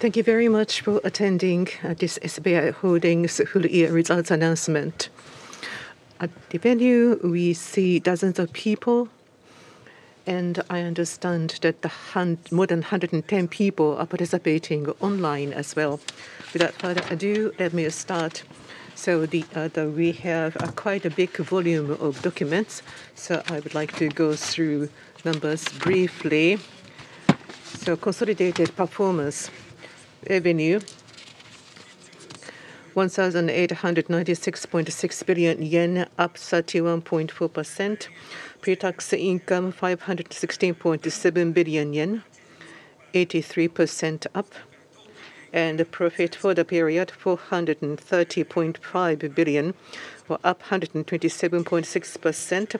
Thank you very much for attending this SBI Holdings full year results announcement. At the venue, we see dozens of people, and I understand that more than 110 people are participating online as well. Without further ado, let me start. We have quite a big volume of documents, I would like to go through numbers briefly. Consolidated performance revenue, 1,896.6 billion yen, up 31.4%. Pre-tax income, 516.7 billion yen, 83% up. The profit for the period, 430.5 billion, or up 127.6%.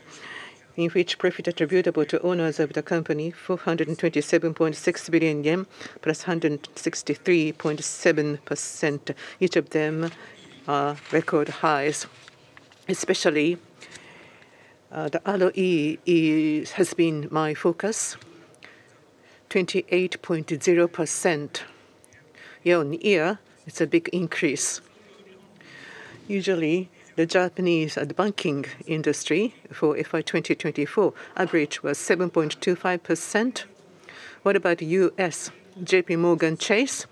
In which profit attributable to owners of the company, 427.6 billion yen, plus 163.7%. Each of them are record highs, especially, the ROE has been my focus. 28.0% year-on-year. It's a big increase. Usually the Japanese banking industry for FY 2024 average was 7.25%. What about U.S.? JPMorgan Chase.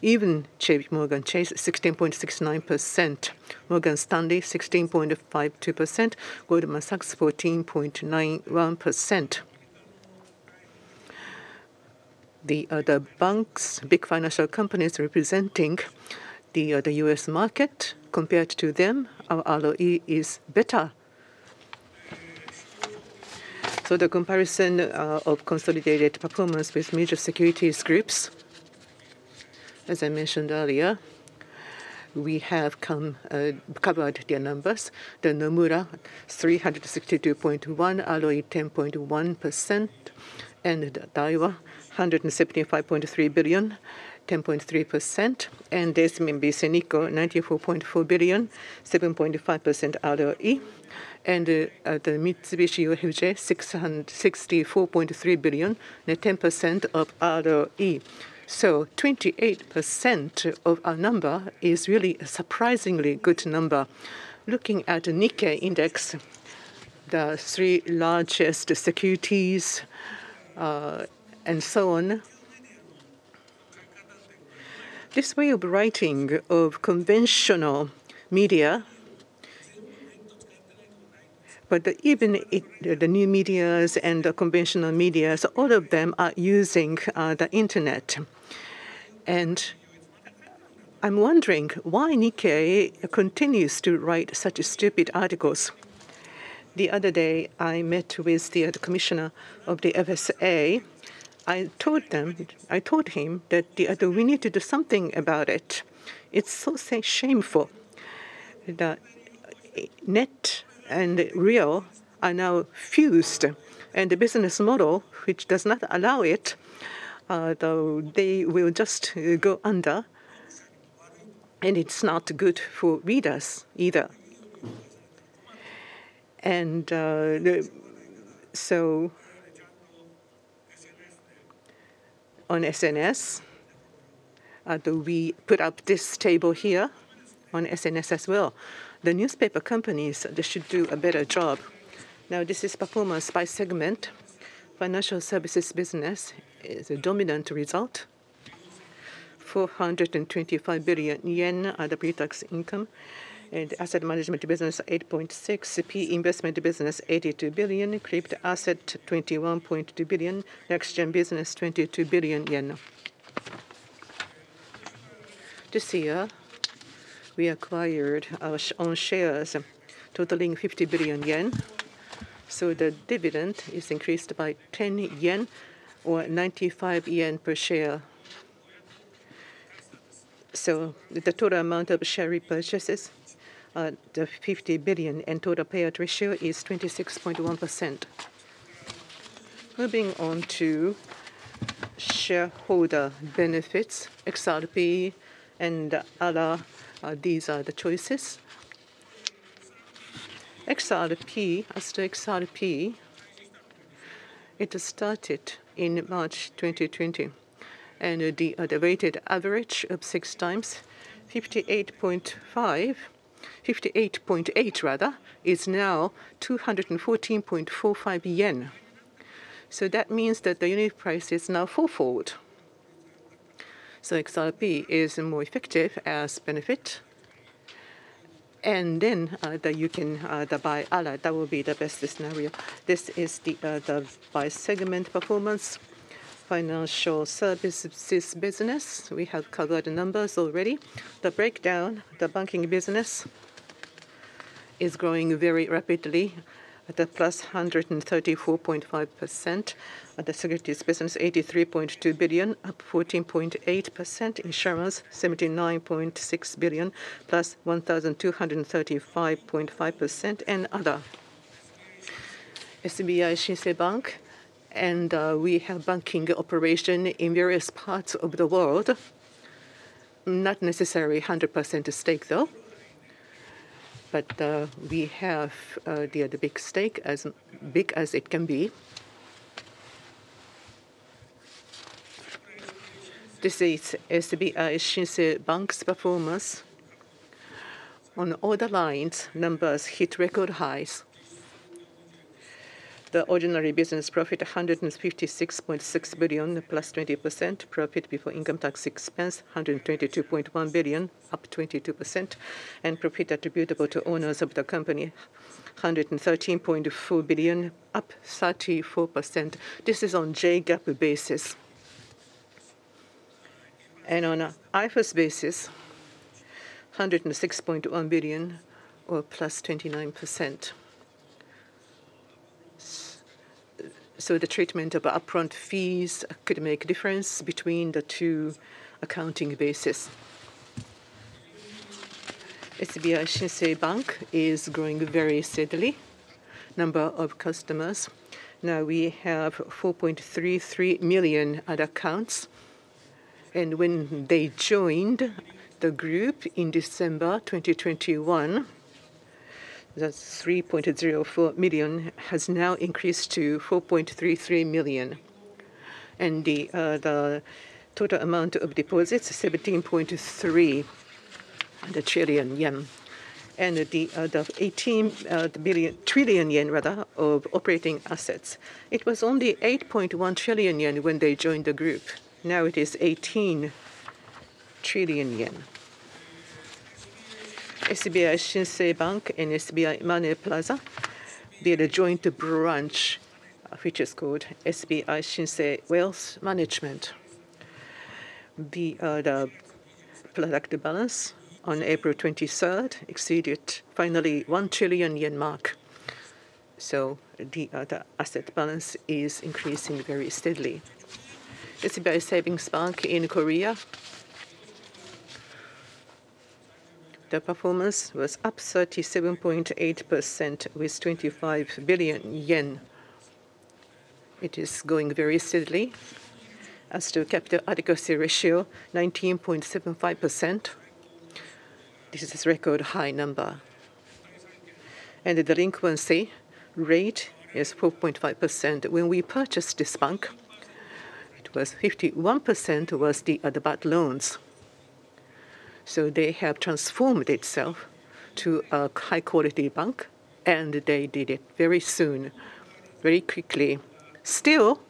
Even JPMorgan Chase, 16.69%. Morgan Stanley, 16.52%. Goldman Sachs, 14.91%. The other banks, big financial companies representing the U.S. market, compared to them, our ROE is better. The comparison of consolidated performance with major securities groups, as I mentioned earlier, we have come covered their numbers. The Nomura, 362.1, ROE 10.1%, and Daiwa, 175.3 billion, 10.3%, and there is SMBC Nikko Securities, 94.4 billion, 7.5% ROE, and the Mitsubishi UFJ, 664.3 billion, and 10% of ROE. 28% of our number is really a surprisingly good number. Looking at the Nikkei index, the three largest securities, and so on. This way of writing of conventional medias, but even the new medias and the conventional medias, all of them are using the internet. I am wondering why Nikkei continues to write such stupid articles. The other day, I met with the commissioner of the FSA. I told him that we need to do something about it. It's so shameful that net and real are now fused. The business model which does not allow it, though they will just go under, and it's not good for readers either. On SNS, though we put up this table here on SNS as well. The newspaper companies, they should do a better job. This is performance by segment. Financial Services Business is a dominant result. 425 billion yen are the pre-tax income, Asset Management Business, 8.6 billion. PE Investment Business, 82 billion. Crypto Asset, 21.2 billion. NextGen Business, 22 billion yen. This year, we acquired our own shares totaling 50 billion yen. The dividend is increased by 10 yen or 95 yen per share. The total amount of share repurchases, 50 billion, and total payout ratio is 26.1%. Moving on to shareholder benefits, XRP and other, these are the choices. XRP, as to XRP, it started in March 2020, and the weighted average of 6x 58.5, 58.8 rather, is now 214.45 yen. That means that the unit price is now fourfold. XRP is more effective as benefit. You can buy other. That would be the best scenario. This is the by segment performance financial services business. We have covered the numbers already. The breakdown, the banking business is growing very rapidly at the +134.5%. At the securities business, 83.2 billion, up 14.8%. Insurance, 79.6 billion, +1,235.5%. Other, SBI Shinsei Bank, and we have banking operation in various parts of the world. Not necessarily 100% at stake, though. We have the big stake as big as it can be. This is SBI Shinsei Bank's performance. On all the lines, numbers hit record highs. The ordinary business profit, 156.6 billion, +20%, profit before income tax expense, 122.1 billion, up 22%, and profit attributable to owners of the company, 113.4 billion, up 34%. This is on JGAAP basis. On IFRS basis, 106.1 billion or +29%. So the treatment of upfront fees could make a difference between the two accounting basis. SBI Shinsei Bank is growing very steadily. Number of customers, now we have 4.33 million at accounts. When they joined the group in December 2021, that's 3.04 million has now increased to 4.33 million. The total amount of deposits, 17.3 trillion yen. The 18 trillion yen, rather, of operating assets. It was only 8.1 trillion yen when they joined the group. Now it is 18 trillion yen. SBI Shinsei Bank and SBI Money Plaza built a joint branch, which is called SBI Shinsei Wealth Management. The product balance on April 23rd exceeded finally 1 trillion yen mark. The asset balance is increasing very steadily. SBI Savings Bank in Korea, the performance was up 37.8% with 25 billion yen. It is growing very steadily. As to capital adequacy ratio, 19.75%. This is record high number. The delinquency rate is 4.5%. When we purchased this bank, it was 51% was the bad loans. They have transformed itself to a high quality bank, and they did it very soon, very quickly. Still,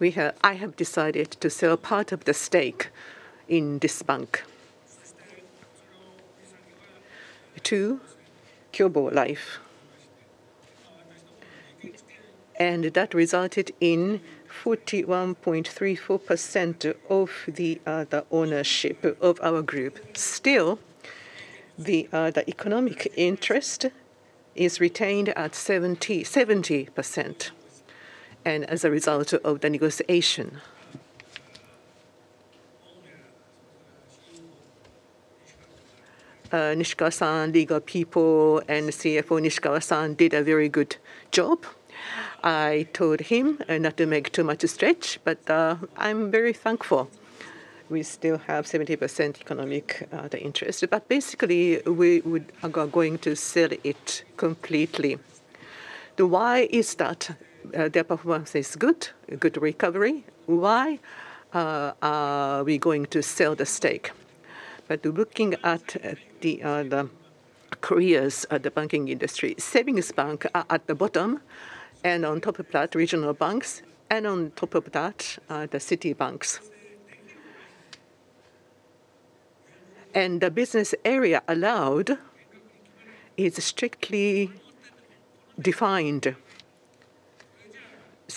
I have decided to sell part of the stake in this bank to Kyobo Life. That resulted in 41.34% of the ownership of our group. The economic interest is retained at 70%, and as a result of the negotiation. Nishikawa-san, legal people, and CFO Nishikawa-san did a very good job. I told him not to make too much stretch, but I'm very thankful we still have 70% economic interest. Basically, we are going to sell it completely. The why is that their performance is good recovery. Why are we going to sell the stake? Looking at the careers of the banking industry, savings bank are at the bottom, and on top of that, regional banks, and on top of that are the city banks. The business area allowed is strictly defined.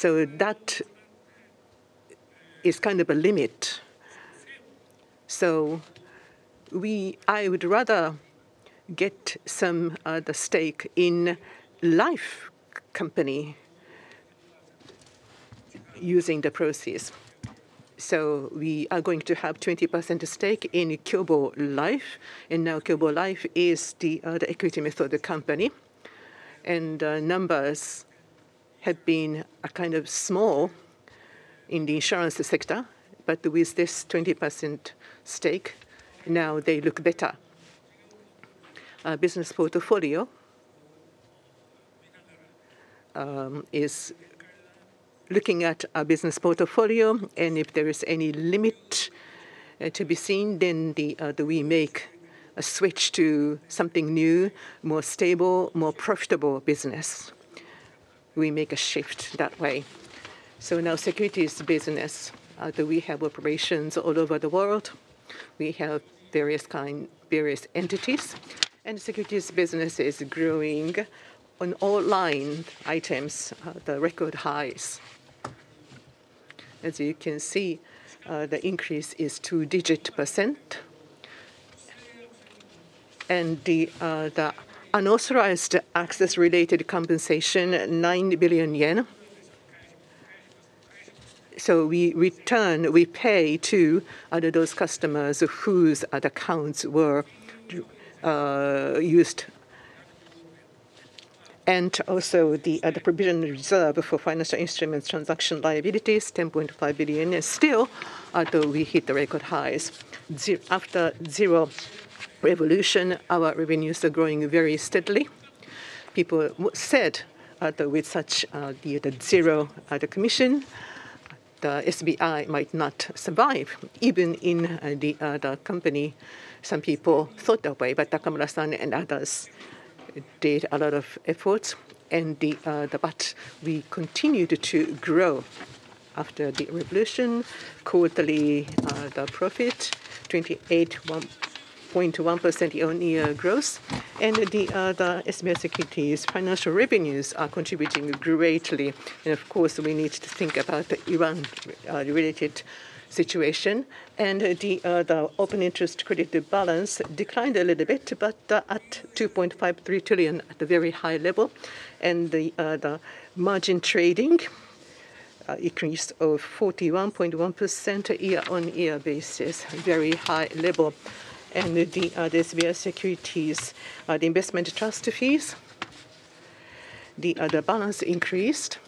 That is kind of a limit. I would rather get some the stake in life company using the proceeds. We are going to have 20% stake in Kyobo Life, now Kyobo Life is the equity method company. Numbers have been kind of small in the insurance sector, but with this 20% stake, now they look better. Our business portfolio is looking at our business portfolio, if there is any limit to be seen, we make a switch to something new, more stable, more profitable business. We make a shift that way. Now securities business, we have operations all over the world. We have various kind, various entities, and securities business is growing on all line items, the record highs. As you can see, the increase is 2-digit percent. The unauthorized access related compensation, 9 billion yen. We return, we pay to those customers whose accounts were used. Also the provision reserve for financial instruments transaction liabilities, 10.5 billion, is still, though we hit the record highs. After ZERO Revolution, our revenues are growing very steadily. People said that with such the zero the commission, SBI might not survive. Even in the company, some people thought that way. Takamura-san and others did a lot of efforts and but we continued to grow after the revolution. Quarterly profit, 28.1% year-on-year growth. SBI Securities financial revenues are contributing greatly. Of course, we need to think about the Iran related situation. The open interest credit balance declined a little bit, but at 2.53 trillion at a very high level. The margin trading increased 41.1% year-on-year basis, very high level. The SBI Securities investment trust fees, the balance increased.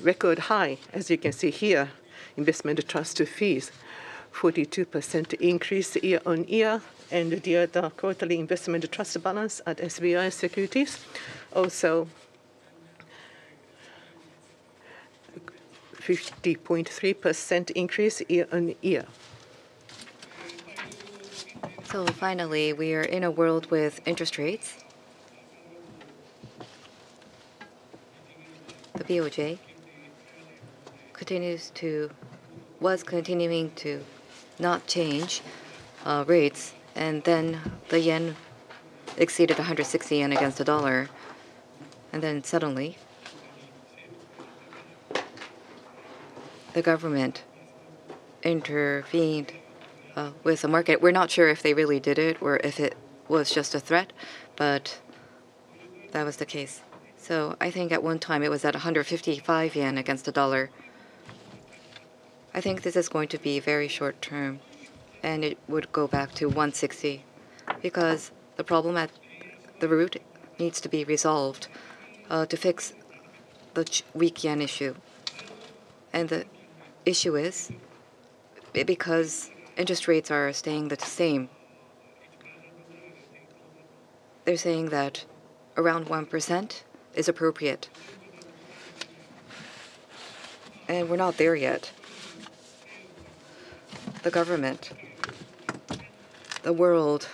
Record high, as you can see here, investment trust fees, 42% increase year-on-year. The quarterly investment trust balance at SBI Securities also 50.3% increase year-on-year. Finally, we are in a world with interest rates. The BOJ was continuing to not change rates, the yen exceeded 160 yen against the U.S. dollar. Suddenly the government intervened with the market. We're not sure if they really did it or if it was just a threat, but that was the case. I think at one time it was at 155 yen against the U.S. dollar. I think this is going to be very short-term. It would go back to 160 because the problem at the root needs to be resolved to fix the weak yen issue. The issue is because interest rates are staying the same. They're saying that around 1% is appropriate. We're not there yet. The government, the world,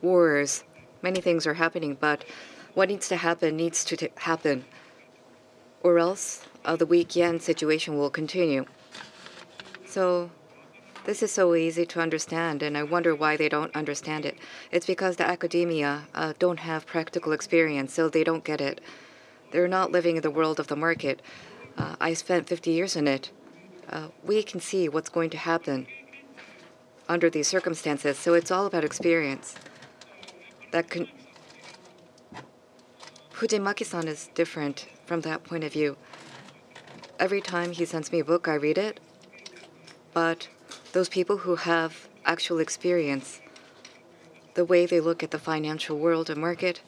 wars, many things are happening. What needs to happen needs to happen or else the weak yen situation will continue. This is so easy to understand. I wonder why they don't understand it. It's because the academia don't have practical experience, so they don't get it. They're not living in the world of the market. I spent 50 years in it. We can see what's going to happen under these circumstances, so it's all about experience. Fujimaki-san is different from that point of view. Every time he sends me a book, I read it. Those people who have actual experience, the way they look at the financial world and market,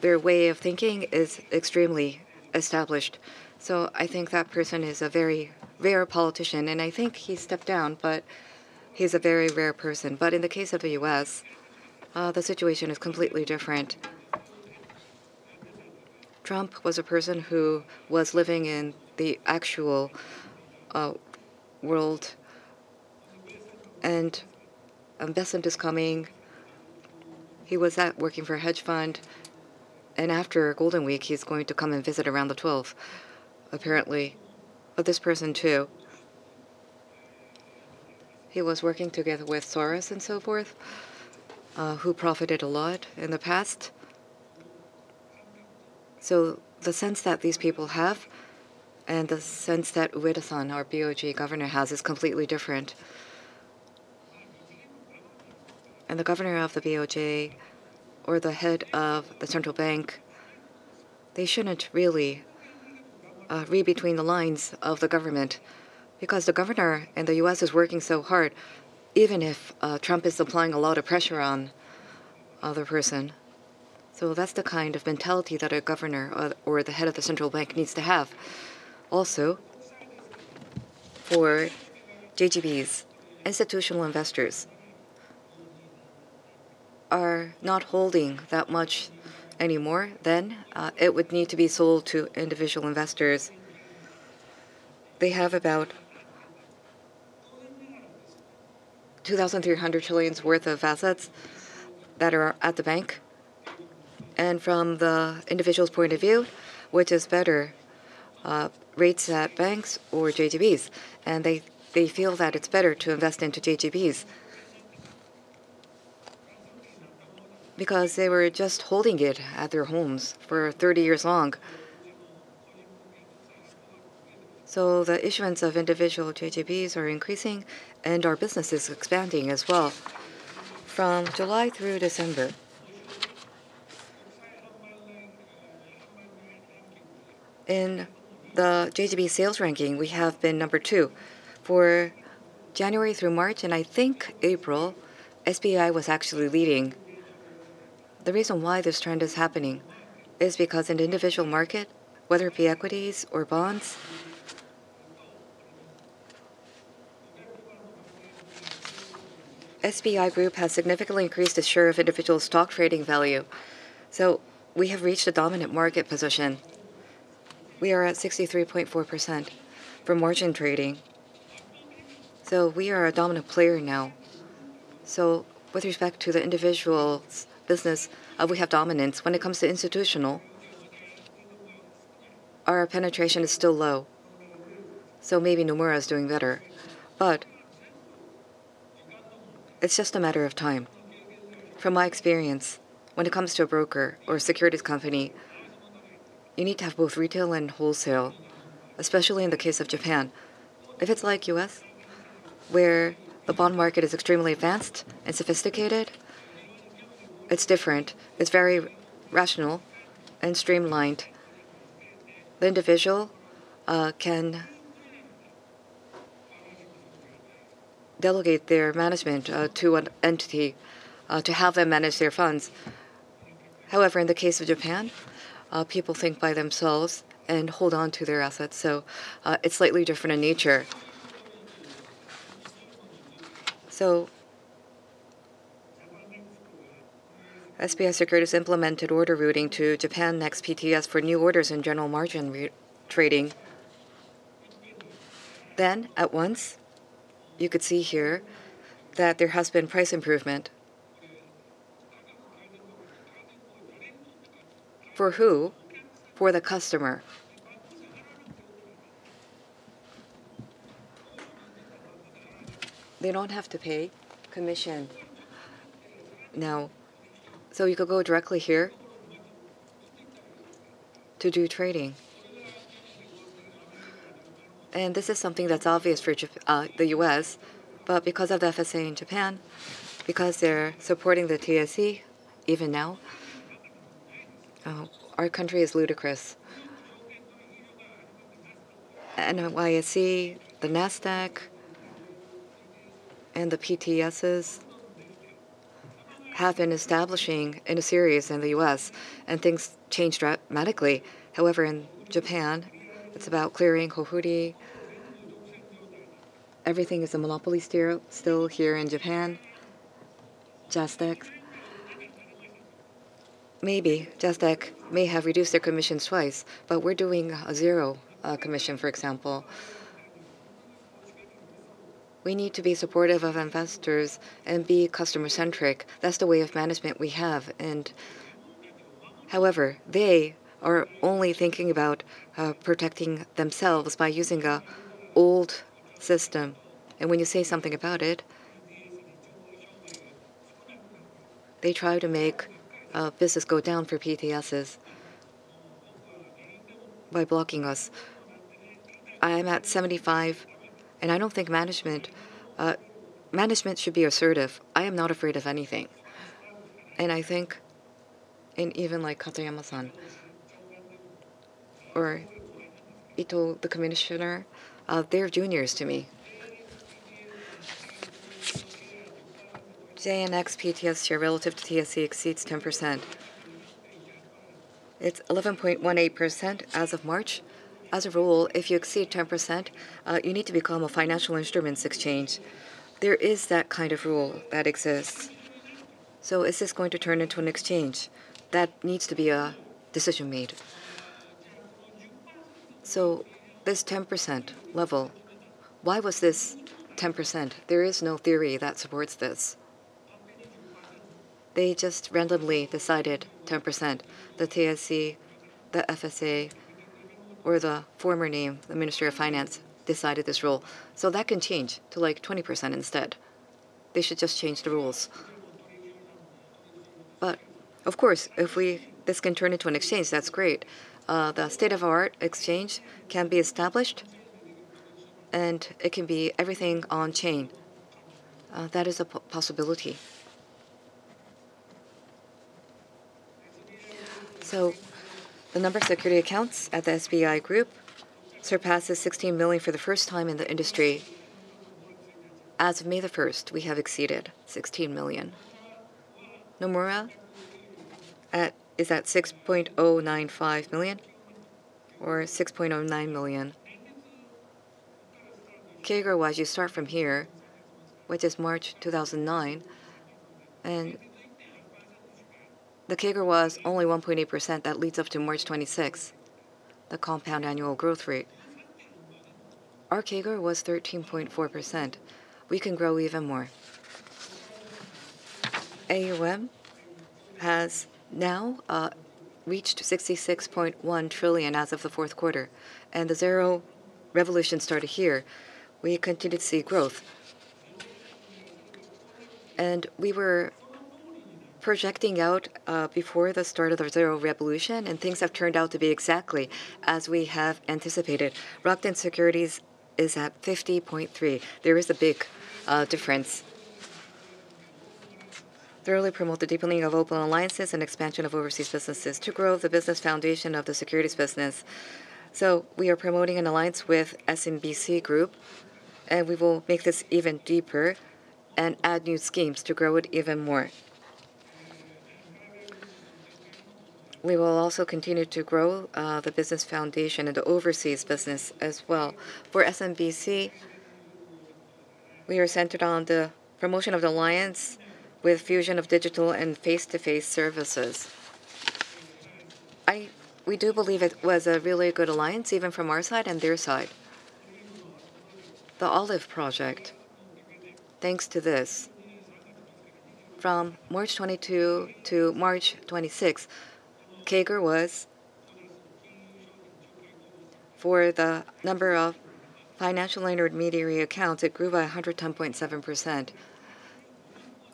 their way of thinking is extremely established. I think that person is a very rare politician, and I think he stepped down, but he's a very rare person. In the case of the U.S., the situation is completely different. Trump was a person who was living in the actual world and investment is coming. He was at working for hedge fund and after Golden Week, he's going to come and visit around the 12th, apparently. This person too, he was working together with Soros and so forth, who profited a lot in the past. The sense that these people have and the sense that Ueda-san, our BOJ governor, has is completely different. The governor of the BOJ or the head of the central bank, they shouldn't really read between the lines of the government because the governor in the U.S. is working so hard, even if Trump is applying a lot of pressure on other person. That's the kind of mentality that a governor or the head of the central bank needs to have. Also, for JGBs, institutional investors are not holding that much anymore. It would need to be sold to individual investors. They have about 2,300 trillion worth of assets that are at the bank. From the individual's point of view, which is better, rates at banks or JGBs? They feel that it's better to invest into JGBs. They were just holding it at their homes for 30 years long. The issuance of individual JGBs are increasing and our business is expanding as well. From July through December. In the JGB sales ranking, we have been number two for January through March. I think April, SBI was actually leading. The reason why this trend is happening is because in the individual market, whether it be equities or bonds, SBI Group has significantly increased the share of individual stock trading value. We have reached a dominant market position. We are at 63.4% for margin trading. We are a dominant player now. With respect to the individual's business, we have dominance. When it comes to institutional, our penetration is still low. Maybe Nomura is doing better. It's just a matter of time. From my experience, when it comes to a broker or a securities company, you need to have both retail and wholesale, especially in the case of Japan. If it's like U.S., where the bond market is extremely vast and sophisticated, it's different. It's very rational and streamlined. The individual can delegate their management to an entity to have them manage their funds. However, in the case of Japan, people think by themselves and hold on to their assets. It's slightly different in nature. SBI Securities implemented order routing to Japannext PTS for new orders in general margin re- trading. At once, you could see here that there has been price improvement. For who? For the customer. They don't have to pay commission now. You could go directly here to do trading. This is something that's obvious for the U.S., but because of the FSA in Japan, because they're supporting the TSE even now, our country is ludicrous. NYSE, the Nasdaq, and the PTSs have been establishing in a series in the U.S. and things changed dramatically. However, in Japan, it's about clearing Hohuri. Everything is a monopoly still here in Japan. JASDEC. Maybe JASDEC may have reduced their commissions twice, but we're doing a zero commission, for example. We need to be supportive of investors and be customer-centric. That's the way of management we have. However, they are only thinking about protecting themselves by using a old system. When you say something about it, they try to make business go down for PTSs by blocking us. I'm at 75, and I don't think management. Management should be assertive. I am not afraid of anything. Even like Katayama-san or Ito, the commissioner, they're juniors to me. JNX PTS share relative to TSE exceeds 10%. It's 11.18% as of March. As a rule, if you exceed 10%, you need to become a financial instruments exchange. There is that kind of rule that exists. Is this going to turn into an exchange? That needs to be a decision made. This 10% level, why was this 10%? There is no theory that supports this. They just randomly decided 10%. The TSE, the FSA, or the former name, the Ministry of Finance, decided this rule. That can change to like 20% instead. They should just change the rules. Of course, if this can turn into an exchange, that's great. The state-of-the-art exchange can be established, and it can be everything on-chain. That is a possibility. The number of security accounts at the SBI Group surpasses 16 million for the first time in the industry. As of May 1st, we have exceeded 16 million. Nomura is at 6.095 million or 6.09 million. CAGR-wise, you start from here, which is March 2009, and the CAGR was only 1.8%. That leads up to March 2026, the compound annual growth rate. Our CAGR was 13.4%. We can grow even more. AUM has now reached 66.1 trillion as of the fourht quarter, and the ZERO Revolution started here. We continue to see growth. We were projecting out before the start of the ZERO Revolution, and things have turned out to be exactly as we have anticipated. Rakuten Securities is at 50.3. There is a big difference. Thoroughly promote the deepening of open alliances and expansion of overseas businesses to grow the business foundation of the securities business. We are promoting an alliance with SMBC Group, and we will make this even deeper and add new schemes to grow it even more. We will also continue to grow the business foundation and the overseas business as well. For SMBC, we are centered on the promotion of the alliance with fusion of digital and face-to-face services. We do believe it was a really good alliance, even from our side and their side. The Olive project, thanks to this, from March 22 to March 26, CAGR was for the number of financial intermediary accounts, it grew by 110.7%.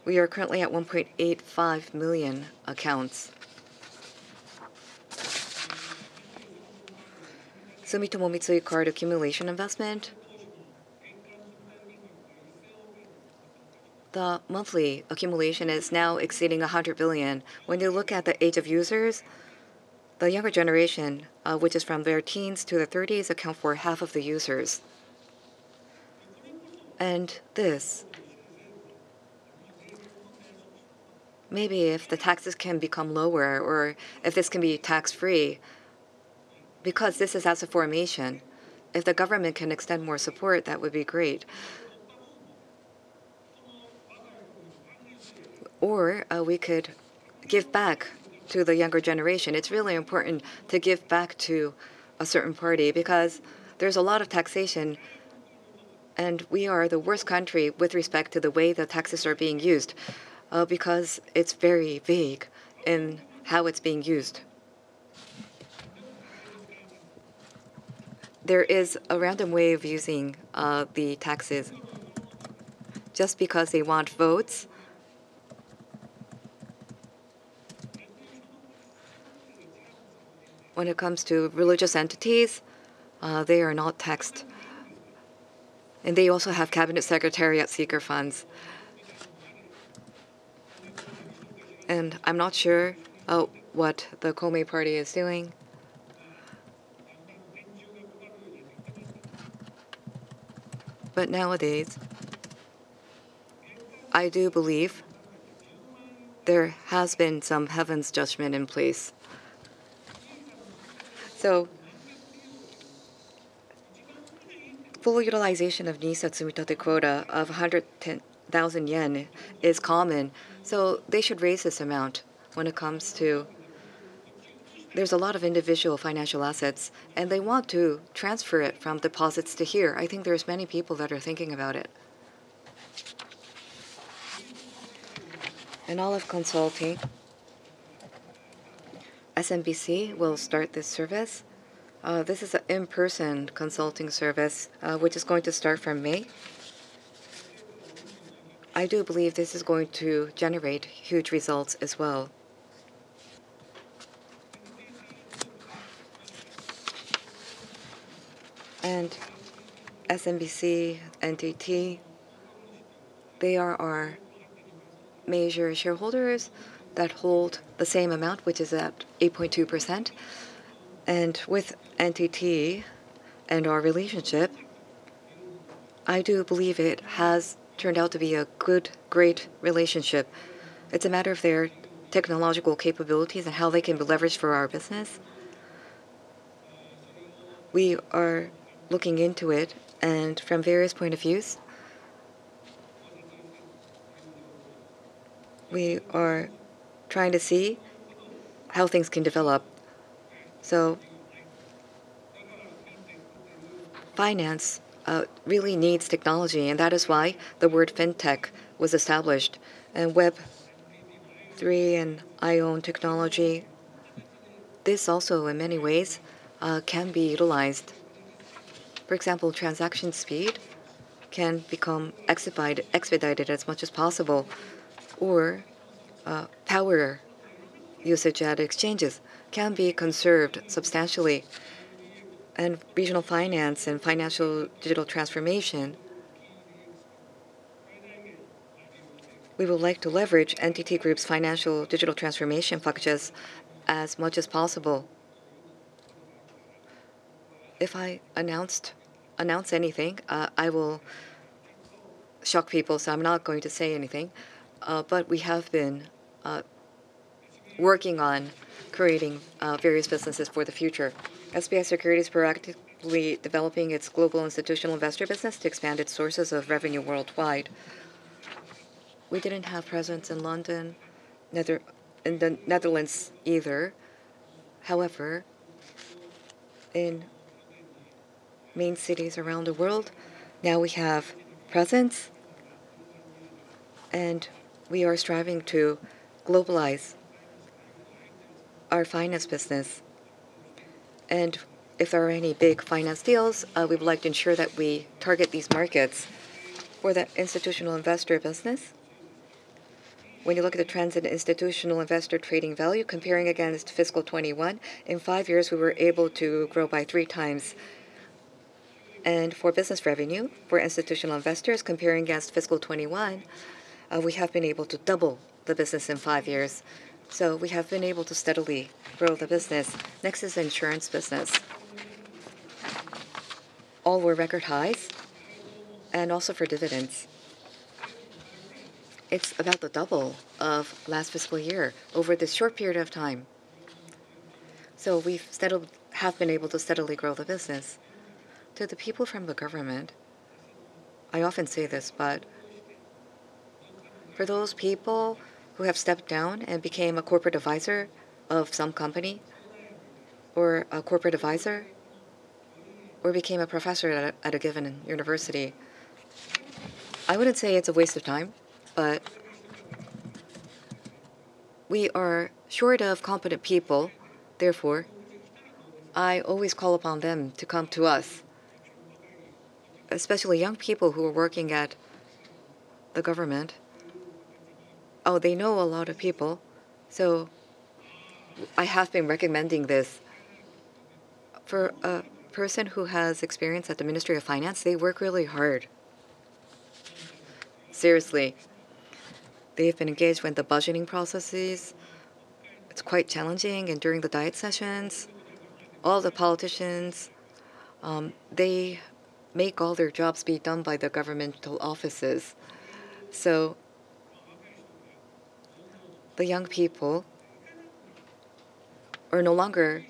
We are currently at 1.85 million accounts. Sumitomo Mitsui Card accumulation investment, the monthly accumulation is now exceeding 100 billion. When you look at the age of users, the younger generation, which is from their teens to their 30s, account for half of the users. This, maybe if the taxes can become lower or if this can be tax-free, because this is as a formation, if the government can extend more support, that would be great. We could give back to the younger generation. It's really important to give back to a certain party because there's a lot of taxation, and we are the worst country with respect to the way the taxes are being used because it's very vague in how it's being used. There is a random way of using the taxes just because they want votes. When it comes to religious entities, they are not taxed, and they also have cabinet secretary at seeker funds. I'm not sure what the Komeito is doing. Nowadays, I do believe there has been some heaven's judgment in place. Full utilization of NISA-Tsumitate quota of 110,000 yen is common, so they should raise this amount. There's a lot of individual financial assets, and they want to transfer it from deposits to here. I think there's many people that are thinking about it. In Olive, SMBC will start this service. This is an in-person consulting service, which is going to start from May. I do believe this is going to generate huge results as well. SMBC, NTT, they are our major shareholders that hold the same amount, which is at 8.2%. With NTT and our relationship, I do believe it has turned out to be a good, great relationship. It's a matter of their technological capabilities and how they can be leveraged for our business. We are looking into it, and from various point of views, we are trying to see how things can develop. Finance, really needs technology, and that is why the word fintech was established. Web3 and IOWN technology, this also in many ways, can be utilized. For example, transaction speed can become expedited as much as possible, or power usage at exchanges can be conserved substantially. Regional finance and financial digital transformation, we would like to leverage NTT group's financial digital transformation packages as much as possible. If I announce anything, I will shock people, so I'm not going to say anything. We have been working on creating various businesses for the future. SBI Securities is proactively developing its global institutional investor business to expand its sources of revenue worldwide. We didn't have presence in London, in the Netherlands either. However, in main cities around the world, now we have presence, and we are striving to globalize our finance business. If there are any big finance deals, we would like to ensure that we target these markets. For the institutional investor business, when you look at the trends in institutional investor trading value comparing against fiscal 21, in five years, we were able to grow by 3x. For business revenue, for institutional investors comparing against fiscal 21, we have been able to double the business in five years. We have been able to steadily grow the business. Next is insurance business. All were record highs. Also for dividends, it's about the double of last fiscal year over this short period of time. We have been able to steadily grow the business. To the people from the government, I often say this, but for those people who have stepped down and became a corporate advisor of some company or a corporate advisor or became a professor at a given university, I wouldn't say it's a waste of time, but we are short of competent people, therefore, I always call upon them to come to us. Especially young people who are working at the government, oh, they know a lot of people, so I have been recommending this. For a person who has experience at the Ministry of Finance, they work really hard. Seriously. They have been engaged with the budgeting processes. It's quite challenging. During the Diet sessions, all the politicians, they make all their jobs be done by the governmental offices. The young people are no longer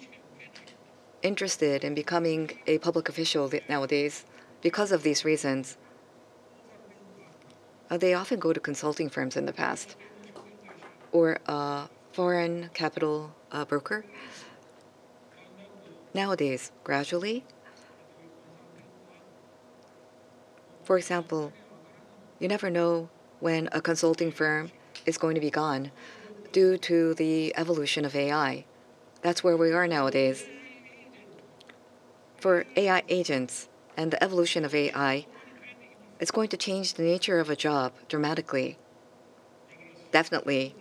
interested in becoming a public official nowadays because of these reasons. They often go to consulting firms in the past or a foreign capital, broker. Nowadays, for example, you never know when a consulting firm is going to be gone due to the evolution of AI. That's where we are nowadays. For AI agents and the evolution of AI, it's going to change the nature of a job dramatically. Definitely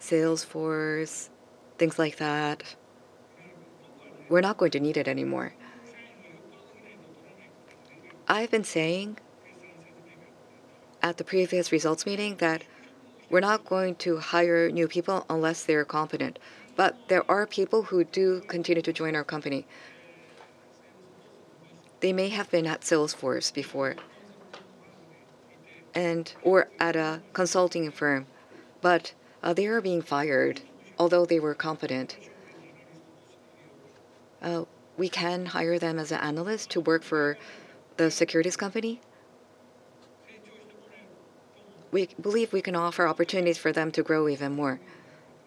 Salesforce, things like that. We're not going to need it anymore. I've been saying at the previous results meeting that we're not going to hire new people unless they are competent. There are people who do continue to join our company. They may have been at Salesforce before or at a consulting firm, but they are being fired although they were competent. We can hire them as an analyst to work for the securities company. We believe we can offer opportunities for them to grow even more,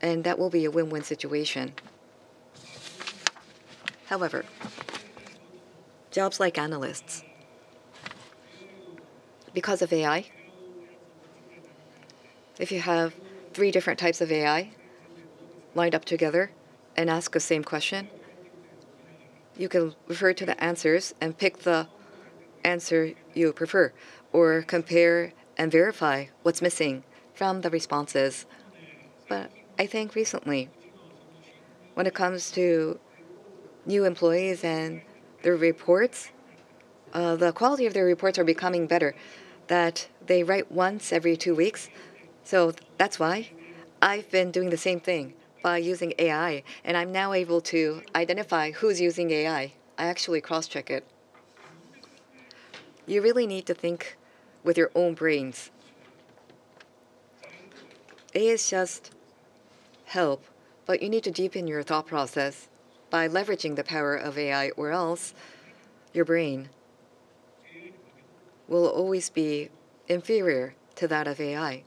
and that will be a win-win situation. However, jobs like analysts, because of AI, if you have three different types of AI lined up together and ask the same question, you can refer to the answers and pick the answer you prefer or compare and verify what's missing from the responses. I think recently when it comes to new employees and their reports, the quality of their reports are becoming better that they write once every two weeks. That's why I've been doing the same thing by using AI, and I'm now able to identify who's using AI. I actually cross-check it. You really need to think with your own brains. AI is just help, but you need to deepen your thought process by leveraging the power of AI or else your brain will always be inferior to that of AI.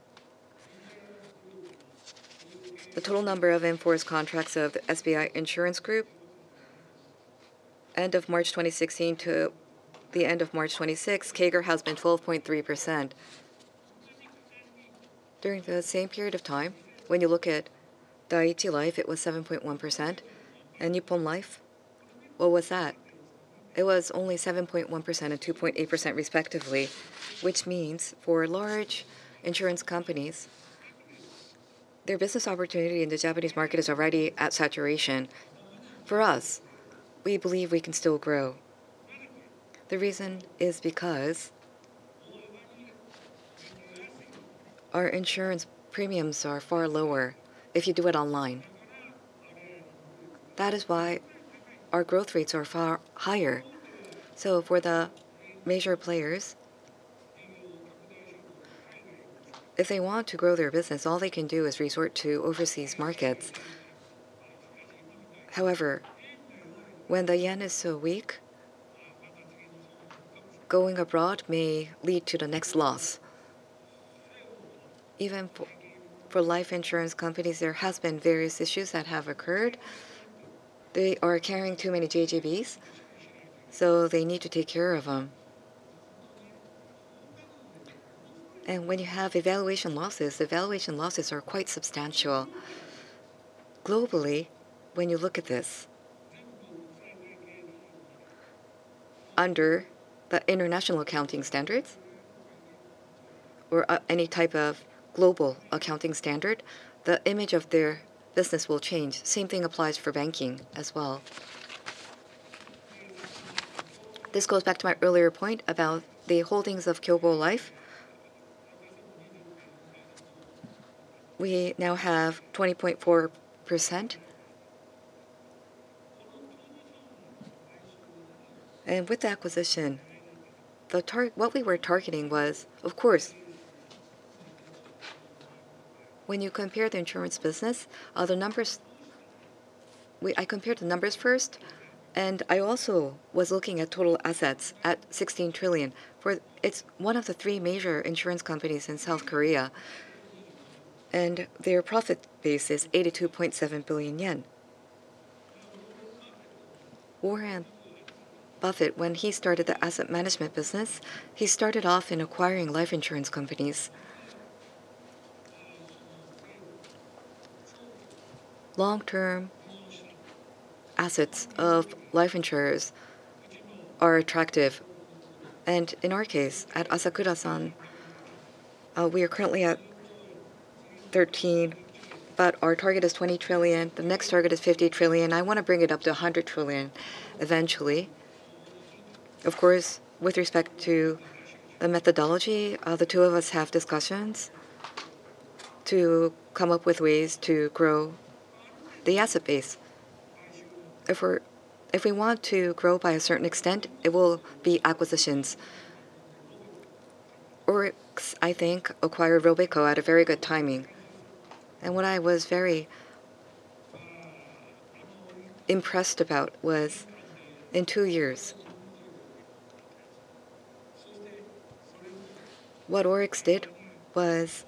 The total number of in-force contracts of SBI Insurance Group, end of March 2016 to the end of March 2026, CAGR has been 12.3%. During the same period of time, when you look at Dai-ichi Life, it was 7.1%. Nippon Life, what was that? It was only 7.1% and 2.8% respectively, which means for large insurance companies, their business opportunity in the Japanese market is already at saturation. For us, we believe we can still grow. The reason is because our insurance premiums are far lower if you do it online. That is why our growth rates are far higher. For the major players, if they want to grow their business, all they can do is resort to overseas markets. When the yen is so weak, going abroad may lead to the next loss. For life insurance companies, there has been various issues that have occurred. They are carrying too many JGBs, so they need to take care of them. When you have evaluation losses, evaluation losses are quite substantial. Globally, when you look at this, under the International Accounting Standards or any type of global accounting standard, the image of their business will change. Same thing applies for banking as well. This goes back to my earlier point about the holdings of Kyobo Life. We now have 20.4%. With the acquisition, what we were targeting was, of course, when you compare the insurance business, the numbers, I compared the numbers first, and I also was looking at total assets at 16 trillion. It's one of the three major insurance companies in South Korea, their profit base is 82.7 billion yen. Warren Buffett, when he started the asset management business, he started off in acquiring life insurance companies. Long-term assets of life insurers are attractive. In our case, at Asakura, we are currently at 13 trillion, but our target is 20 trillion. The next target is 50 trillion. I want to bring it up to 100 trillion eventually. Of course, with respect to the methodology, the two of us have discussions to come up with ways to grow the asset base. If we want to grow by a certain extent, it will be acquisitions. ORIX, I think, acquired Robeco at a very good timing. What I was very impressed about was in two years. What ORIX did was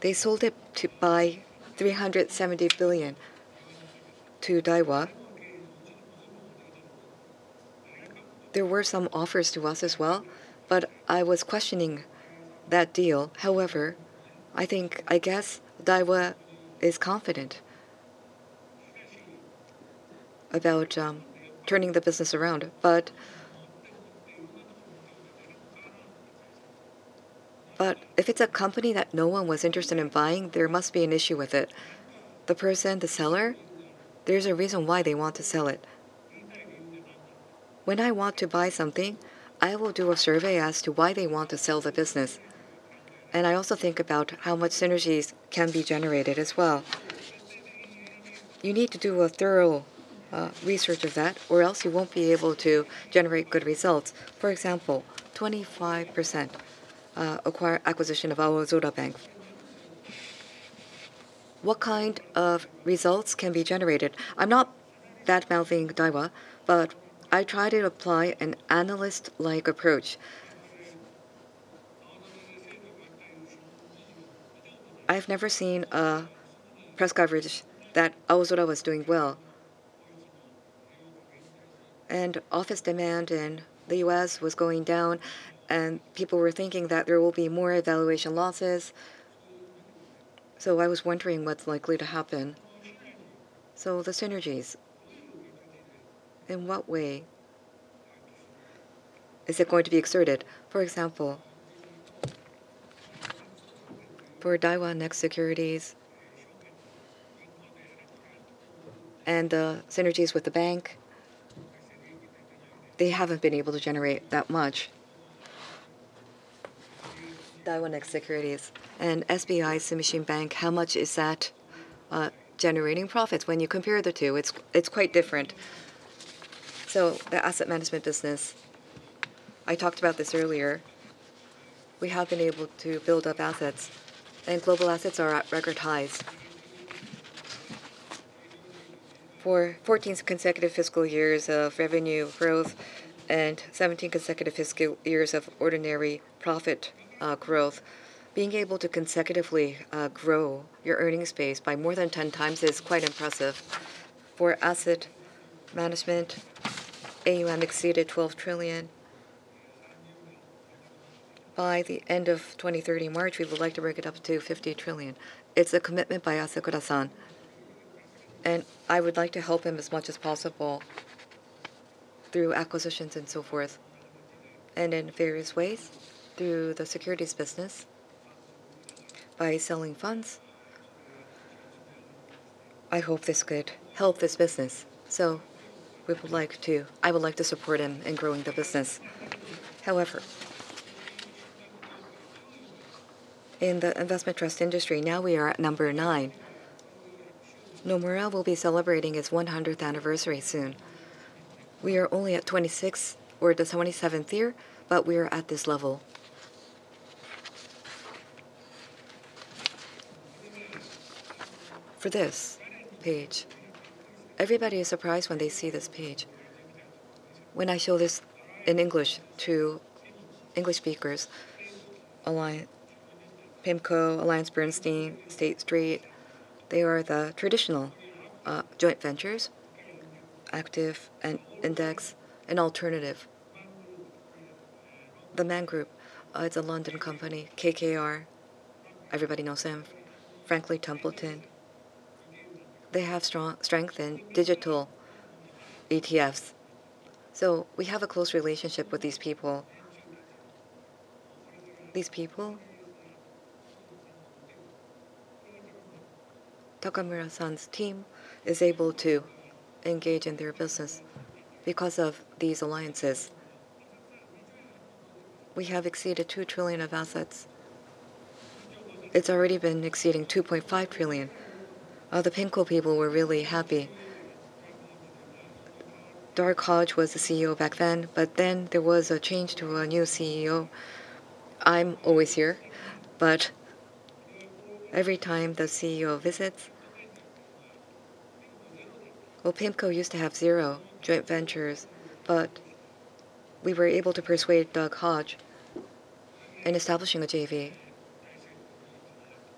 they sold it by 370 billion to Daiwa. There were some offers to us as well, but I was questioning that deal. I think, I guess Daiwa is confident about turning the business around. If it's a company that no one was interested in buying, there must be an issue with it. The person, the seller, there's a reason why they want to sell it. When I want to buy something, I will do a survey as to why they want to sell the business. I also think about how much synergies can be generated as well. You need to do a thorough research of that or else you won't be able to generate good results. For example, 25% acquisition of Aozora Bank. What kind of results can be generated? I'm not bad-mouthing Daiwa, but I try to apply an analyst-like approach. I've never seen a press coverage that Aozora was doing well. Office demand in the U.S. was going down and people were thinking that there will be more evaluation losses. I was wondering what's likely to happen. The synergies, in what way is it going to be exerted? For example, for Daiwa Next Securities and the synergies with the bank, they haven't been able to generate that much. Daiwa Next Securities and SBI Sumishin Bank, how much is that generating profits? When you compare the two, it's quite different. The asset management business, I talked about this earlier. We have been able to build up assets and global assets are at record highs. For 14 consecutive fiscal years of revenue growth and 17 consecutive fiscal years of ordinary profit growth, being able to consecutively grow your earnings base by more than 10 times is quite impressive. For asset management, AUM exceeded 12 trillion. By the end of 2030 March, we would like to bring it up to 50 trillion. It's a commitment by Asakura-san. I would like to help him as much as possible through acquisitions and so forth and in various ways through the securities business by selling funds. I hope this could help this business. I would like to support him in growing the business. However, in the investment trust industry, now we are at number nine. Nomura will be celebrating its 100th anniversary soon. We are only at 26th or the 27th year, but we are at this level. For this page, everybody is surprised when they see this page. When I show this in English to English speakers, PIMCO, AllianceBernstein, State Street, they are the traditional joint ventures, active and index and alternative. The Man Group, it's a London company, KKR, everybody knows them, Franklin Templeton. They have strong strength in digital ETFs. We have a close relationship with these people. These people, Takamura-san's team is able to engage in their business because of these alliances. We have exceeded 2 trillion of assets. It has already been exceeding 2.5 trillion. All the PIMCO people were really happy. Doug Hodge was the CEO back then, but there was a change to a new CEO. I am always here, but every time the CEO visits. Well, PIMCO used to have zero joint ventures, but we were able to persuade Doug Hodge in establishing a JV,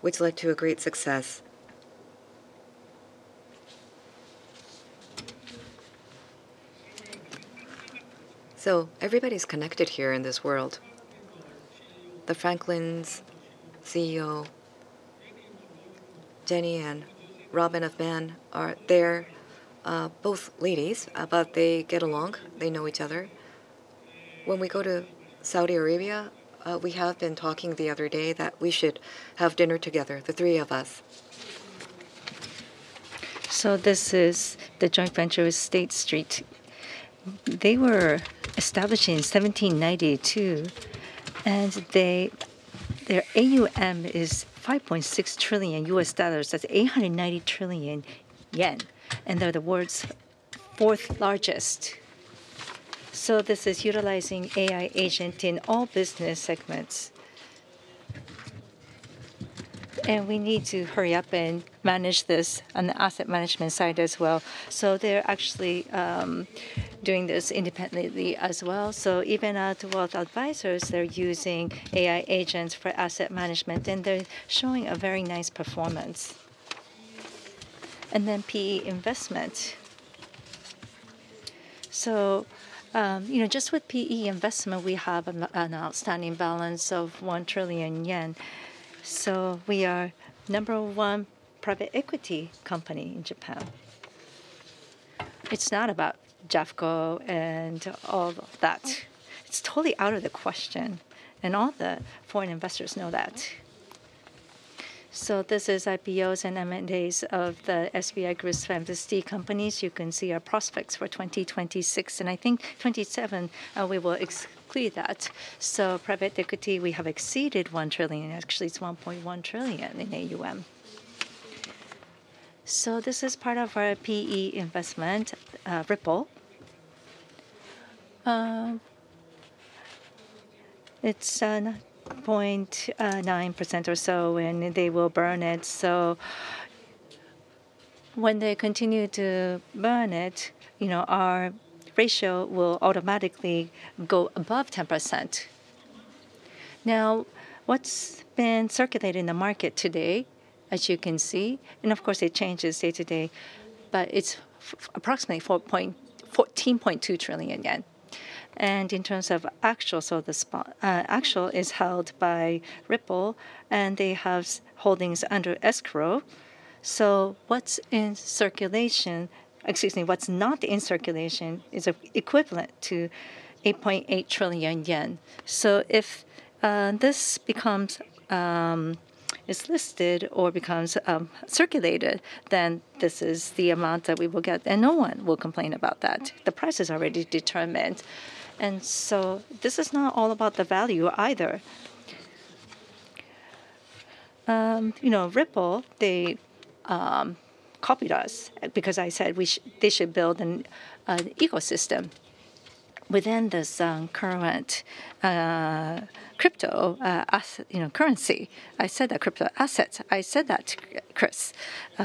which led to a great success. Everybody is connected here in this world. The Franklin's CEO, Jenny and Robin of Man are there, both ladies, but they get along. They know each other. When we go to Saudi Arabia, we have been talking the other day that we should have dinner together, the three of us. This is the joint venture with State Street. They were established in 1792, their AUM is $5.6 trillion. That's 890 trillion yen, they're the world's fourth largest. This is utilizing AI agent in all business segments. We need to hurry up and manage this on the asset management side as well. They're actually doing this independently as well. Even at State Street Global Advisors, they're using AI agents for asset management, they're showing a very nice performance. PE investment. You know, just with PE investment, we have an outstanding balance of 1 trillion yen. We are number 1 private equity company in Japan. It's not about JAFCO and all of that. It's totally out of the question, and all the foreign investors know that. This is IPOs and M&As of the SBI Group's fantasy companies. You can see our prospects for 2026, and I think 2027, we will exclude that. Private equity, we have exceeded 1 trillion. Actually, it's 1.1 trillion in AUM. This is part of our PE investment, Ripple. It's 0.9% or so, and they will burn it. When they continue to burn it, you know, our ratio will automatically go above 10%. Now, what's been circulating the market today, as you can see, and of course it changes day to day, but it's approximately 14.2 trillion yen. In terms of actual is held by Ripple, and they have holdings under escrow. Excuse me. What's not in circulation is equivalent to 8.8 trillion yen. If this becomes listed or becomes circulated, this is the amount that we will get, no one will complain about that. The price is already determined. This is not all about the value either. You know, Ripple, they copied us because I said we should build an ecosystem within this current crypto, you know, currency. I said that crypto asset. I said that to Chris,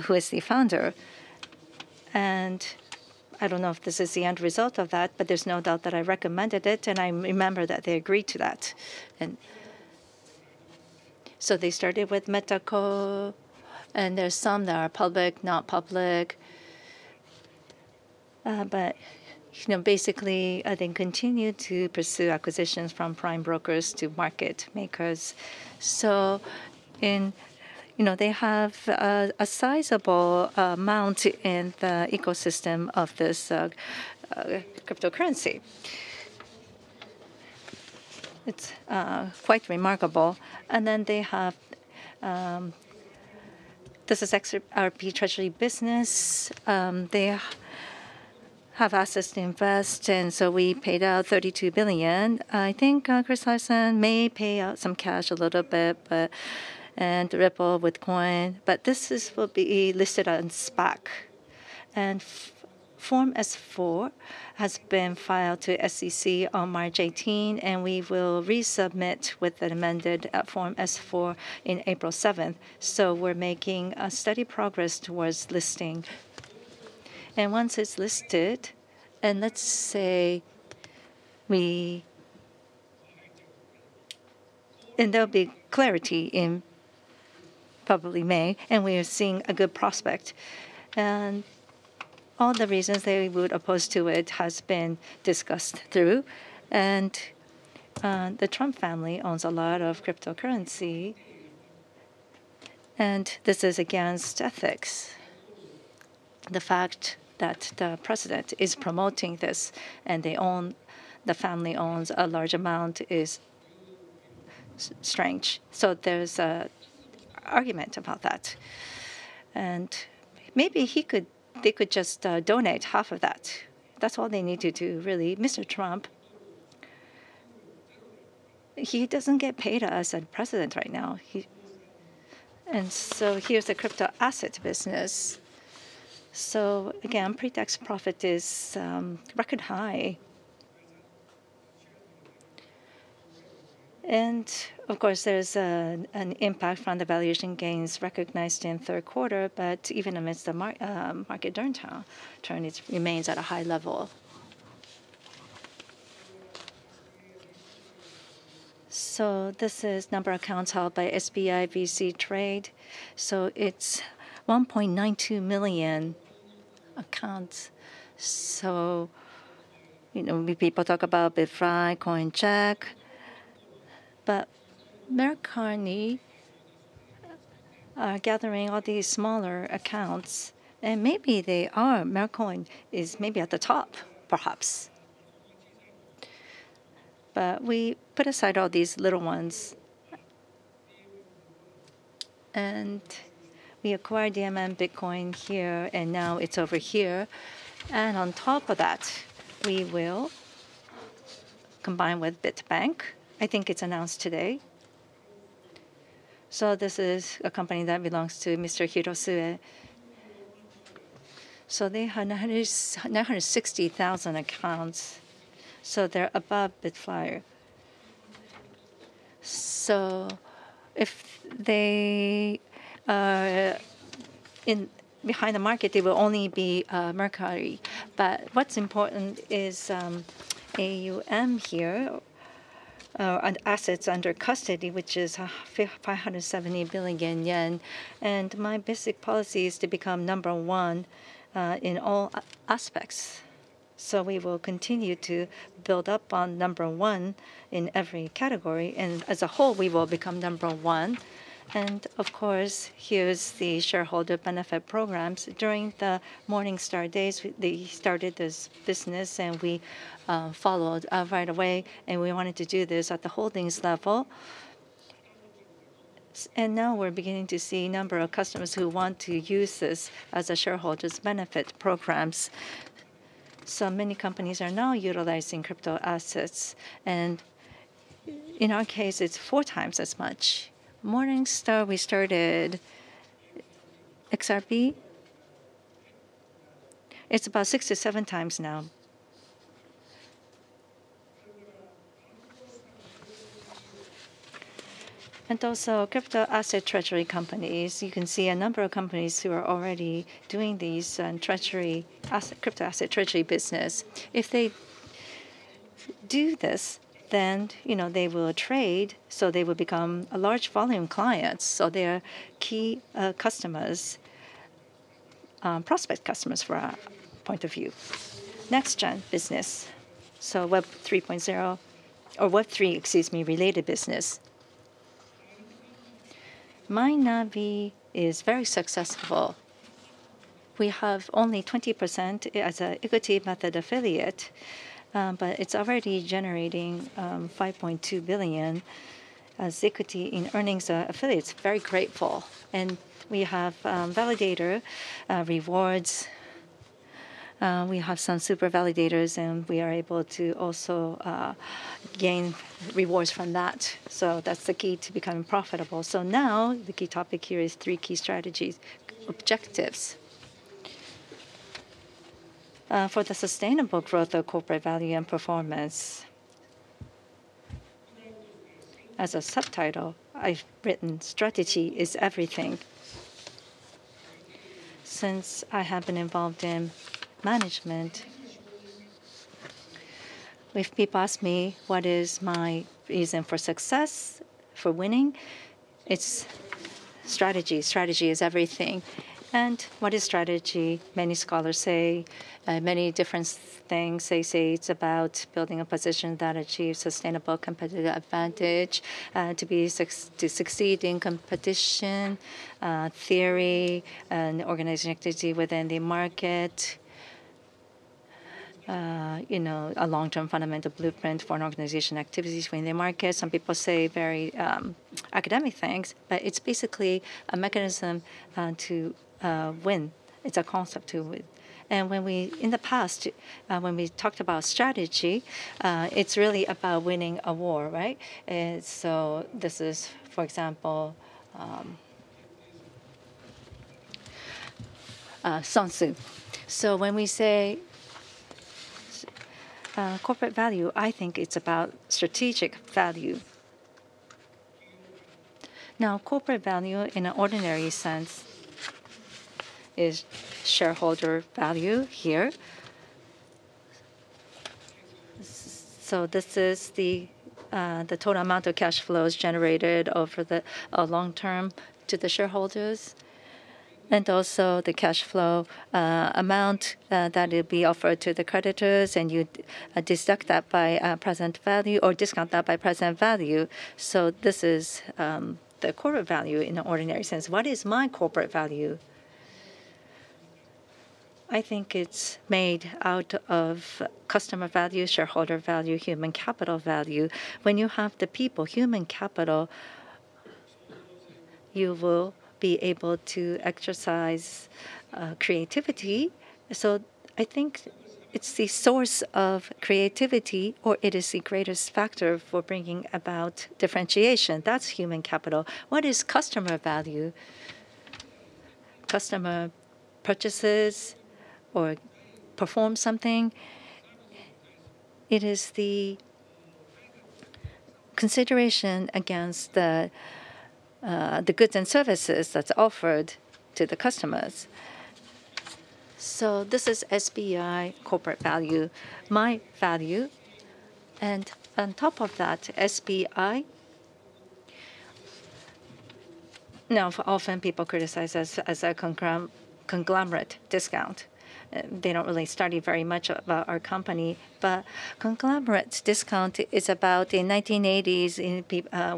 who is the founder. I don't know if this is the end result of that, but there's no doubt that I recommended it, and I remember that they agreed to that. They started with Metaco, and there are some that are public, not public. You know, basically, they continue to pursue acquisitions from prime brokers to market makers. You know, they have a sizable amount in the ecosystem of this cryptocurrency. It's quite remarkable. They have, this is our treasury business. They have assets to invest, we paid out 32 billion. I think Chris Larsen may pay out some cash a little bit, and Ripple with coin. This will be listed on SPAC. Form S-4 has been filed to SEC on March 18. We will resubmit with an amended Form S-4 in April 7. We're making steady progress towards listing. Once it's listed, there'll be clarity in probably May. We are seeing a good prospect. All the reasons they would oppose to it has been discussed through. The Trump family owns a lot of cryptocurrency, and this is against ethics. The fact that the president is promoting this and the family owns a large amount is strange. There's an argument about that. Maybe they could just donate half of that. That's all they need to do really. Mr. Trump, he doesn't get paid as a president right now. Here's the crypto asset business. Again, pre-tax profit is record high. Of course, there's an impact from the valuation gains recognized in third quarter, but even amidst the market downturn, return remains at a high level. This is number of accounts held by SBI VC Trade. It's 1.92 million accounts. You know, people talk about bitFlyer, Coincheck, but Mercari are gathering all these smaller accounts, and maybe they are Mercari is maybe at the top, perhaps. We put aside all these little ones. We acquired DMM Bitcoin here, and now it's over here. On top of that, we will combine with Bitbank. I think it's announced today. This is a company that belongs to Mr. Hirosue. They had 960,000 accounts, so they're above bitFlyer. Behind the market, they will only be Mercari. What's important is AUM here, and assets under custody, which is 570 billion yen. My basic policy is to become number one in all aspects. We will continue to build up on number one in every category, and as a whole, we will become number . Of course, here is the shareholder benefit programs. During the Morningstar days, they started this business, and we followed right away, and we wanted to do this at the holdings level. Now we're beginning to see a number of customers who want to use this as a shareholders benefit programs. Many companies are now utilizing crypto assets, and in our case, it's 4x as much. Morningstar, we started XRP. It's about 6x to 7x now. Also crypto asset treasury companies. You can see a number of companies who are already doing these crypto asset treasury business. If they do this, then, you know, they will trade, so they will become a large volume client. They are key customers, prospect customers from our point of view. NextGen business. Web 3.0 or Web3, excuse me, related business. Mynavi is very successful. We have only 20% as an equity method affiliate, but it's already generating 5.2 billion as equity in earnings affiliates. Very grateful. We have validator rewards. We have some super validators, and we are able to also gain rewards from that. That's the key to becoming profitable. Now the key topic here is three key strategies, objectives. For the sustainable growth of corporate value and performance. As a subtitle, I've written "Strategy is everything." Since I have been involved in management, if people ask me what is my reason for success, for winning, it's strategy. Strategy is everything. What is strategy? Many scholars say many different things. They say it's about building a position that achieves sustainable competitive advantage, to succeed in competition, theory, organizing activity within the market. You know, a long-term fundamental blueprint for an organization activities within the market. Some people say very, academic things, but it's basically a mechanism to win. It's a concept to win. In the past, when we talked about strategy, it's really about winning a war, right? This is, for example, Sun Tzu. When we say corporate value, I think it's about strategic value. Corporate value in an ordinary sense is shareholder value here. This is the total amount of cash flows generated over the long term to the shareholders, and also the cash flow amount that will be offered to the creditors, and you deduct that by present value or discount that by present value. This is the corporate value in the ordinary sense. What is my corporate value? I think it's made out of customer value, shareholder value, human capital value. When you have the people, human capital, you will be able to exercise creativity. I think it's the source of creativity, or it is the greatest factor for bringing about differentiation. That's human capital. What is customer value? Customer purchases or performs something. It is the consideration against the goods and services that's offered to the customers. This is SBI corporate value, my value. On top of that, SBI. Often people criticize us as a conglomerate discount. They don't really study very much about our company. Conglomerate discount is about the 1980s in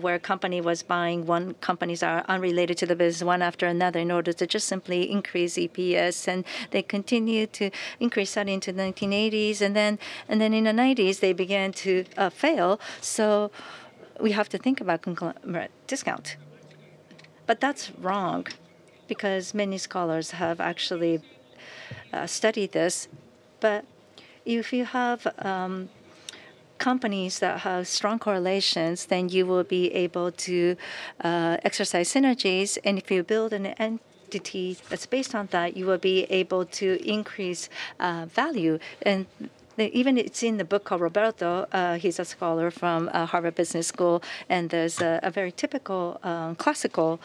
where a company was buying companies unrelated to the business, one after another, in order to just simply increase EPS. They continued to increase that into the 1980s. Then, in the 1990s, they began to fail. We have to think about conglomerate discount. That's wrong, because many scholars have actually studied this. If you have companies that have strong correlations, then you will be able to exercise synergies. If you build an entity that's based on that, you will be able to increase value. Even it's in the book called Roberto, he's a scholar from Harvard Business School, there's a very typical classical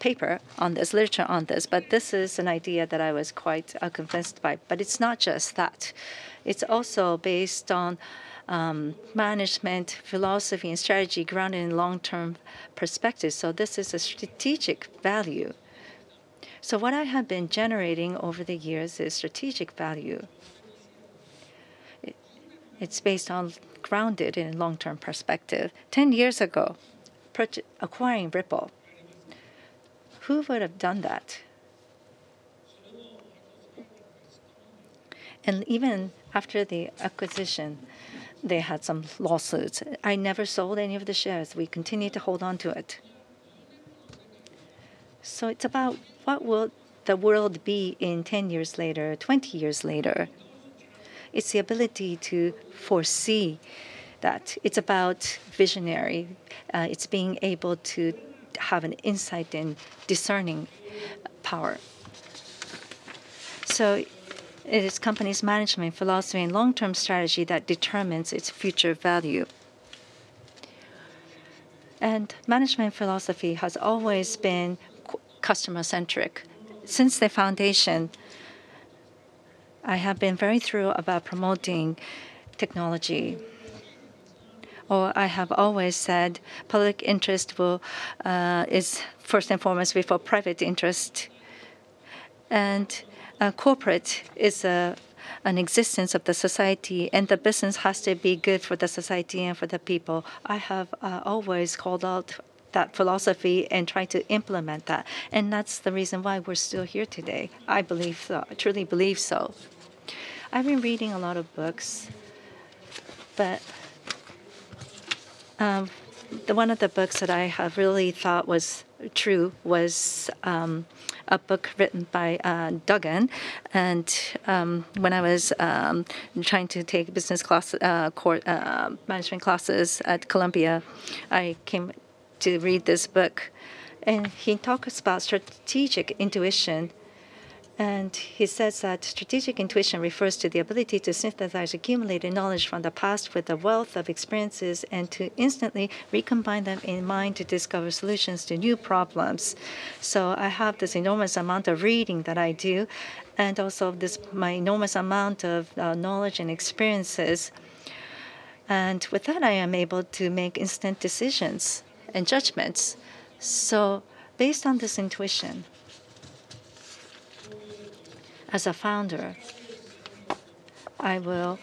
paper on this literature on this. This is an idea that I was quite convinced by. It's not just that. It's also based on management philosophy and strategy grounded in long-term perspective. This is a strategic value. What I have been generating over the years is strategic value. It's grounded in long-term perspective. Ten years ago, acquiring Ripple, who would have done that? Even after the acquisition, they had some lawsuits. I never sold any of the shares. We continued to hold onto it. It's about what will the world be in 10 years later, 20 years later. It's the ability to foresee that. It's about visionary. It's being able to have an insight and discerning power. It is company's management philosophy and long-term strategy that determines its future value. Management philosophy has always been customer-centric. Since the foundation, I have been very thorough about promoting technology, or I have always said public interest will is first and foremost before private interest. Corporate is an existence of the society, and the business has to be good for the society and for the people. I have always called out that philosophy and tried to implement that, and that's the reason why we're still here today. I believe so. I truly believe so. I've been reading a lot of books, but the one of the books that I have really thought was true was a book written by Duggan. When I was trying to take business class management classes at Columbia, I came to read this book, and he talks about strategic intuition. He says that strategic intuition refers to the ability to synthesize accumulated knowledge from the past with a wealth of experiences and to instantly recombine them in mind to discover solutions to new problems. I have this enormous amount of reading that I do and also my enormous amount of knowledge and experiences. With that, I am able to make instant decisions and judgments. Based on this intuition, as a founder, I will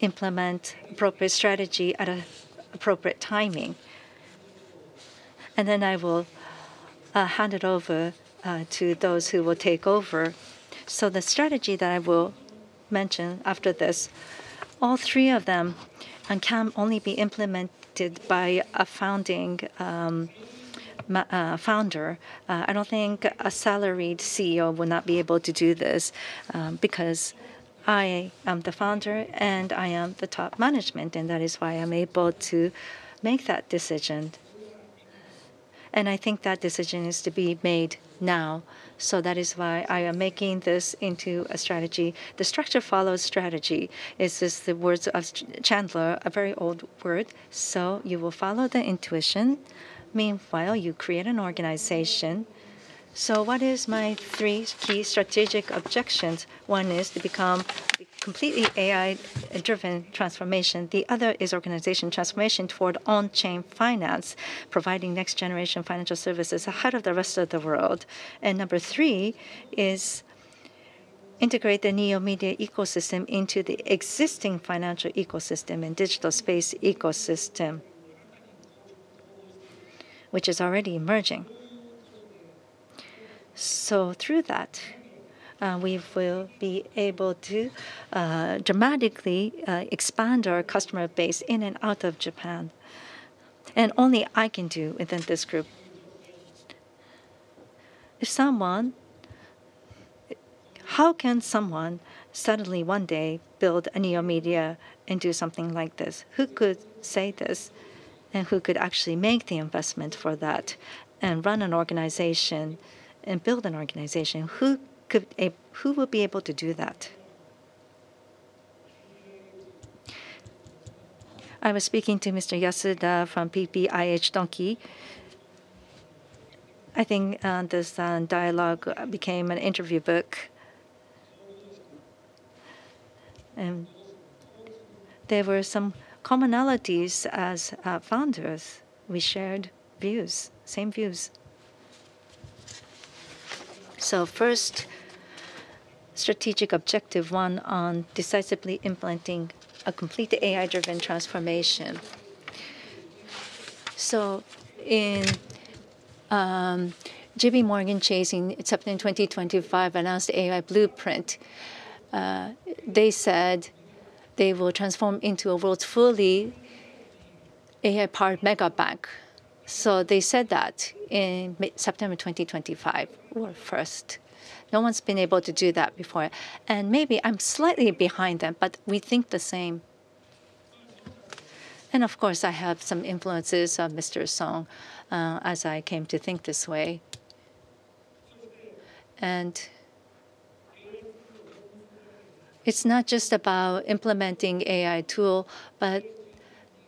implement appropriate strategy at an appropriate timing, then I will hand it over to those who will take over. The strategy that I will mention after this, all three of them, can only be implemented by a founding founder. I don't think a salaried CEO would not be able to do this because I am the founder, and I am the top management, and that is why I'm able to make that decision. I think that decision is to be made now, that is why I am making this into a strategy. The structure follows strategy. It's just the words of Chandler, a very old word. You will follow the intuition. Meanwhile, you create an organization. What is my three key strategic objections? One is to become completely AI-driven transformation. The other is organization transformation toward on-chain finance, providing next generation financial services ahead of the rest of the world. Number three is integrate the Neo Media ecosystem into the existing financial ecosystem and digital space ecosystem, which is already emerging. Through that, we will be able to dramatically expand our customer base in and out of Japan, and only I can do within this group. How can someone suddenly one day build a Neo Media and do something like this? Who could say this? Who could actually make the investment for that and run an organization and build an organization? Who would be able to do that? I was speaking to Mr. Yasuda from PPIH Donki. I think this dialogue became an interview book. There were some commonalities as founders we shared views, same views. First strategic objective one on decisively implementing a complete AI-driven transformation. In JPMorgan Chase in September 2025 announced AI blueprint. They said they will transform into a world's fully AI-powered megabank. They said that in mid-September 2025. We're first. No one's been able to do that before. Maybe I'm slightly behind them, but we think the same. Of course, I have some influences of Mr. Song as I came to think this way. It's not just about implementing AI tool, but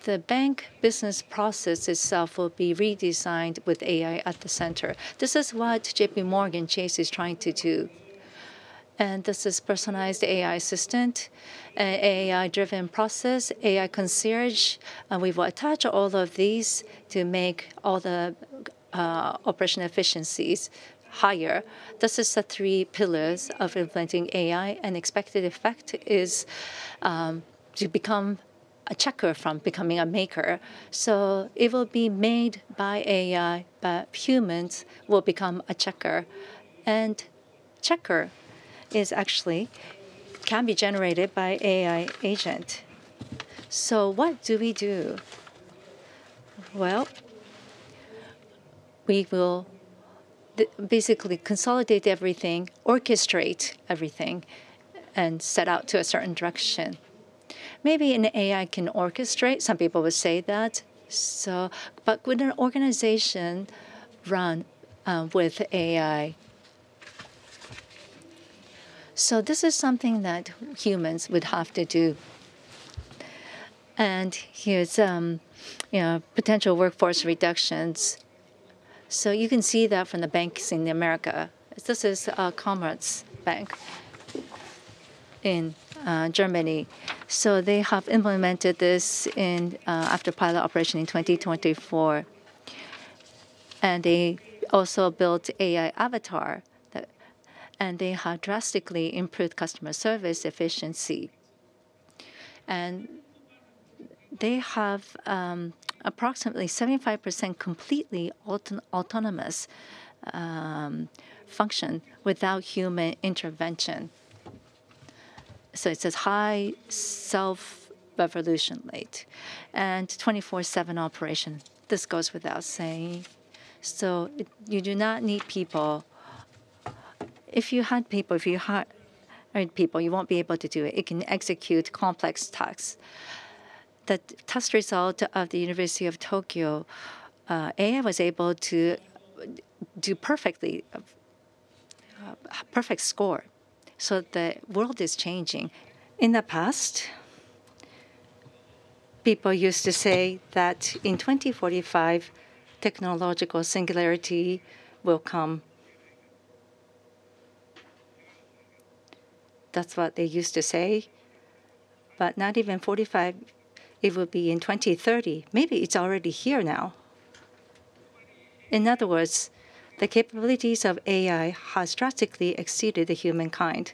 the bank business process itself will be redesigned with AI at the center. This is what JPMorgan Chase is trying to do. This is personalized AI assistant, AI-driven process, AI concierge, and we will attach all of these to make all the operation efficiencies higher. This is the three pillars of implementing AI. Expected effect is to become a checker from becoming a maker. It will be made by AI, but humans will become a checker. Checker is actually can be generated by AI agent. What do we do? Well, we will basically consolidate everything, orchestrate everything, and set out to a certain direction. Maybe an AI can orchestrate, some people would say that. Would an organization run with AI? This is something that humans would have to do. Here's, you know, potential workforce reductions. You can see that from the banks in America. This is a Commerzbank in Germany. They have implemented this in after pilot operation in 2024. They have drastically improved customer service efficiency. They have approximately 75% completely autonomous function without human intervention. It says high self-revolution rate and 24/7 operation. This goes without saying. You do not need people. If you had people, if you hired people, you won't be able to do it. It can execute complex tasks. The test result of the University of Tokyo AI was able to do perfectly, a perfect score. The world is changing. In the past, people used to say that in 2045, technological singularity will come. That's what they used to say. Not even 45, it will be in 2030. Maybe it's already here now. In other words, the capabilities of AI has drastically exceeded the humankind.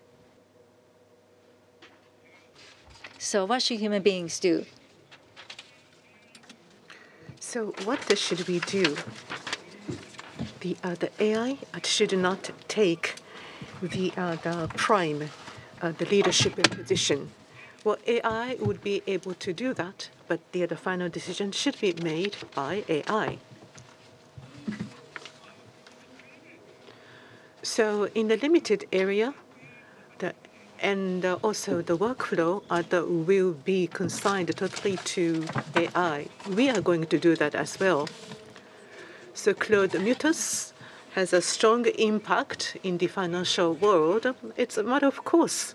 What should human beings do? What should we do? The AI should not take the prime leadership position. Well, AI would be able to do that, but the final decision should be made by AI. In the limited area, and also the workflow will be consigned totally to AI. We are going to do that as well. Claude Mythos has a strong impact in the financial world. It's a matter of course,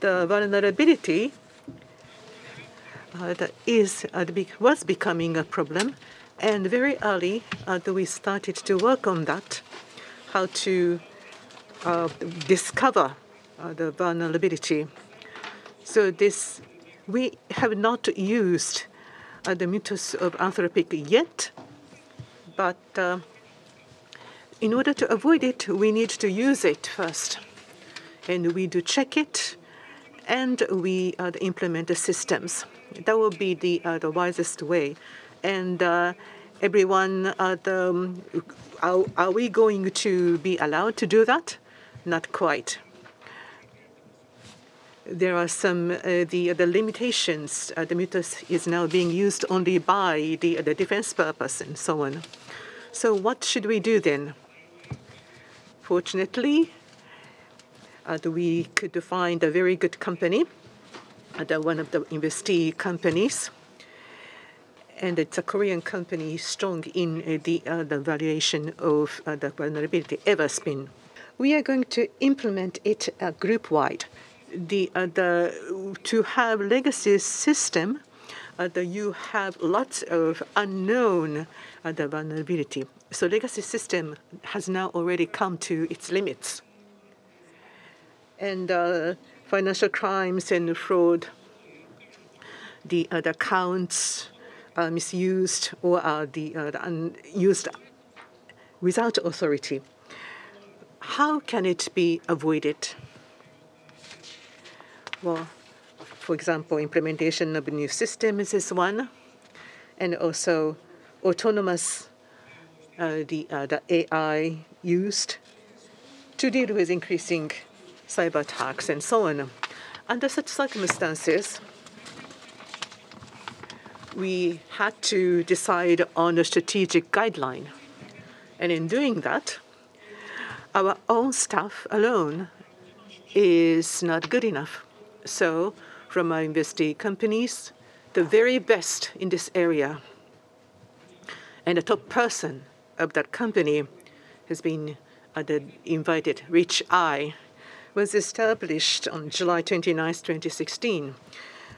the vulnerability that was becoming a problem, and very early, we started to work on that, how to discover the vulnerability. This, we have not used the methods of Anthropic yet, but in order to avoid it, we need to use it first. We do check it, and we implement the systems. That would be the wisest way. Are we going to be allowed to do that? Not quite. There are some limitations. The methods is now being used only by the defense purpose and so on. What should we do then? Fortunately, we could find a very good company, one of the investee companies, and it's a Korean company strong in the valuation of the vulnerability, Everspin. We are going to implement it group-wide. To have legacy system, you have lots of unknown vulnerability. Legacy system has now already come to its limits. Financial crimes and fraud, the accounts are misused or are used without authority. How can it be avoided? Well, for example, implementation of a new system is one, and also autonomous AI used to deal with increasing cyberattacks and so on. Under such circumstances, we had to decide on a strategic guideline. In doing that, our own staff alone is not good enough. From our investee companies, the very best in this area, and a top person of that company has been invited. Ridge-i was established on July 29th, 2016.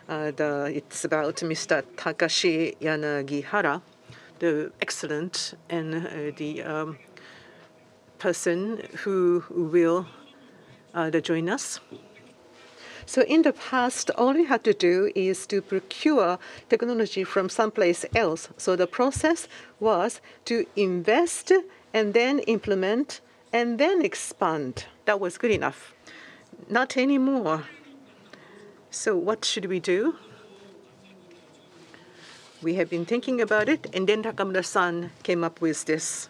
It's about Mr. Takashi Yanagihara, the excellent and the person who will join us. In the past, all you had to do is to procure technology from someplace else. The process was to invest and then implement and then expand. That was good enough. Not anymore. What should we do? We have been thinking about it, and then Takamura-san came up with this,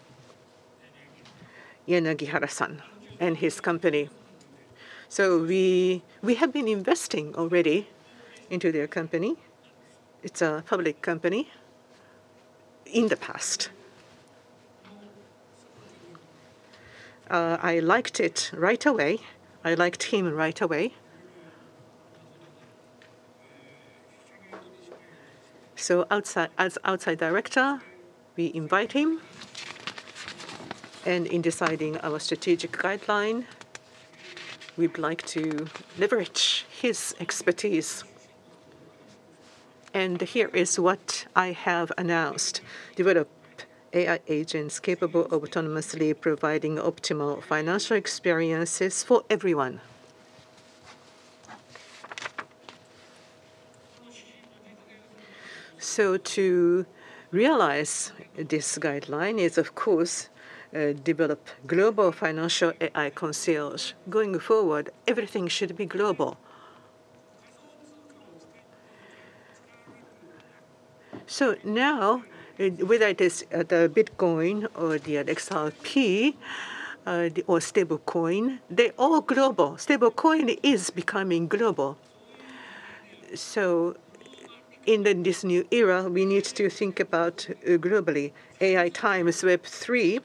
Yanagihara-san and his company. We have been investing already into their company. It's a public company in the past. I liked it right away. I liked him right away. As outside director, we invite him, and in deciding our strategic guideline, we'd like to leverage his expertise. Here is what I have announced: Develop AI agents capable of autonomously providing optimal financial experiences for everyone. To realize this guideline is, of course, develop global financial AI concierge. Going forward, everything should be global. Now, whether it is the Bitcoin or the XRP or stablecoin, they're all global. Stablecoin is becoming global. In this new era, we need to think about globally. AI times Web3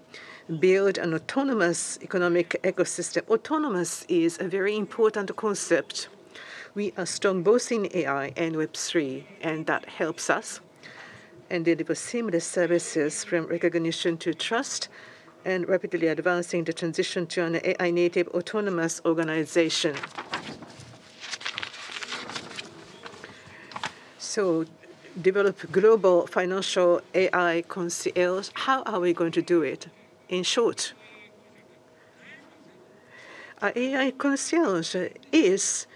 build an autonomous economic ecosystem. Autonomous is a very important concept. We are strong both in AI and Web3, that helps us. Deliver seamless services from recognition to trust, and rapidly advancing the transition to an AI-native autonomous organization. Develop global financial AI concierge. How are we going to do it? In short, our AI concierge is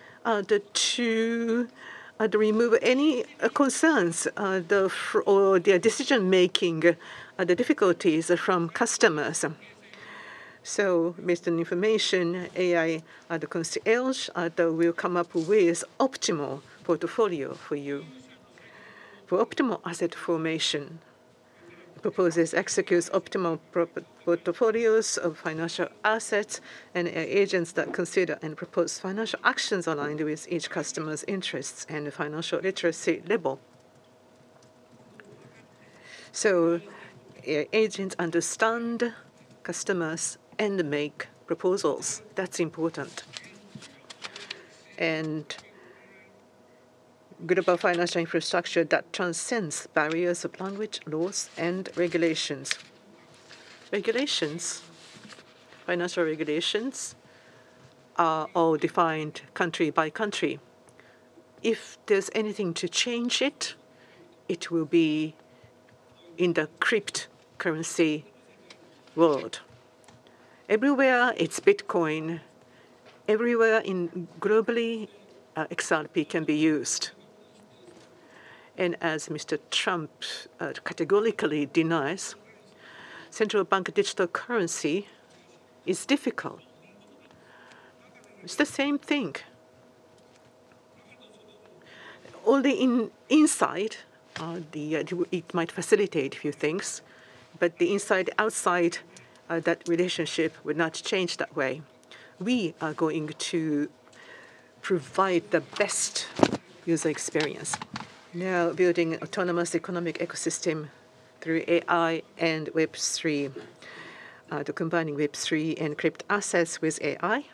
to remove any concerns or the decision-making difficulties from customers. Mixed information AI concierge will come up with optimal portfolio for you. For optimal asset formation proposes, executes optimal pro-portfolios of financial assets and AI agents that consider and propose financial actions aligned with each customer's interests and financial literacy level. AI agents understand customers and make proposals. That's important. Global financial infrastructure that transcends barriers of language, laws, and regulations. Regulations, financial regulations are all defined country by country. If there's anything to change it will be in the cryptocurrency world. Everywhere it's Bitcoin, everywhere globally, XRP can be used. As Mr. Trump categorically denies, central bank digital currency is difficult. It's the same thing. Only inside it might facilitate a few things, but the inside/outside that relationship would not change that way. We are going to provide the best user experience. Now building autonomous economic ecosystem through AI and Web3. Combining Web3 and crypt assets with AI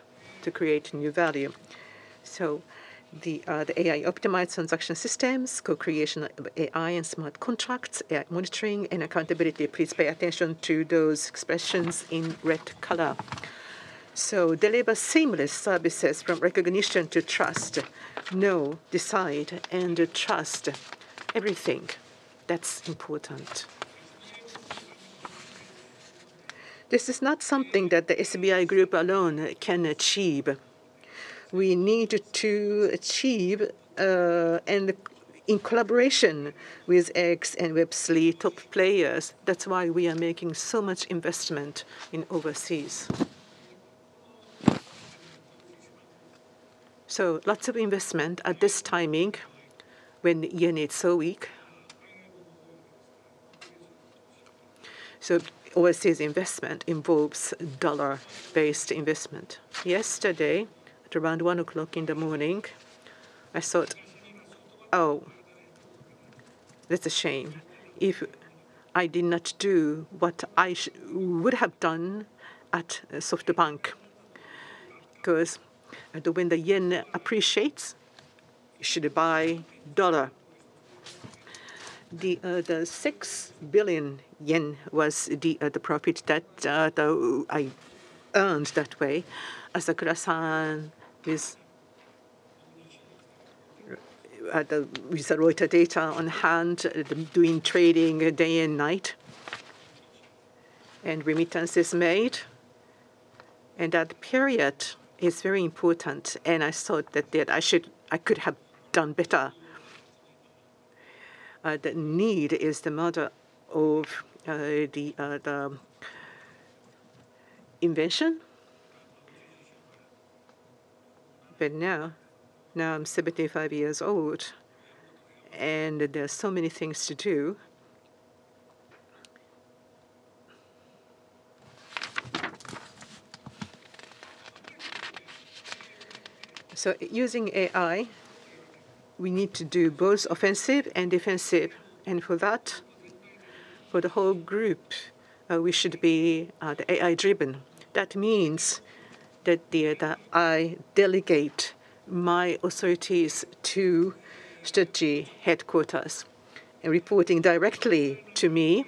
to create new value. The AI optimized transaction systems, co-creation of AI and smart contracts, AI monitoring and accountability. Please pay attention to those expressions in red color. Deliver seamless services from recognition to trust. Know, decide, and trust everything. That's important. This is not something that the SBI Group alone can achieve. We need to achieve, and in collaboration with X and Web3 top players. That's why we are making so much investment in overseas. Lots of investment at this timing when yen is so weak. Overseas investment involves dollar-based investment. Yesterday, at around 1:00 in the morning, I thought, "Oh, that's a shame if I did not do what I would have done at SoftBank." 'Cause, when the yen appreciates, you should buy dollar. The 6 billion yen was the profit that I earned that way. Asakura San with the Reuters data on hand, doing trading day and night, and remittance is made. That period is very important, and I thought that I could have done better. The need is the mother of the invention. Now I'm 75 years old, and there are so many things to do. Using AI, we need to do both offensive and defensive. For that, for the whole group, we should be the AI driven. That means that the I delegate my authorities to strategy headquarters and reporting directly to me.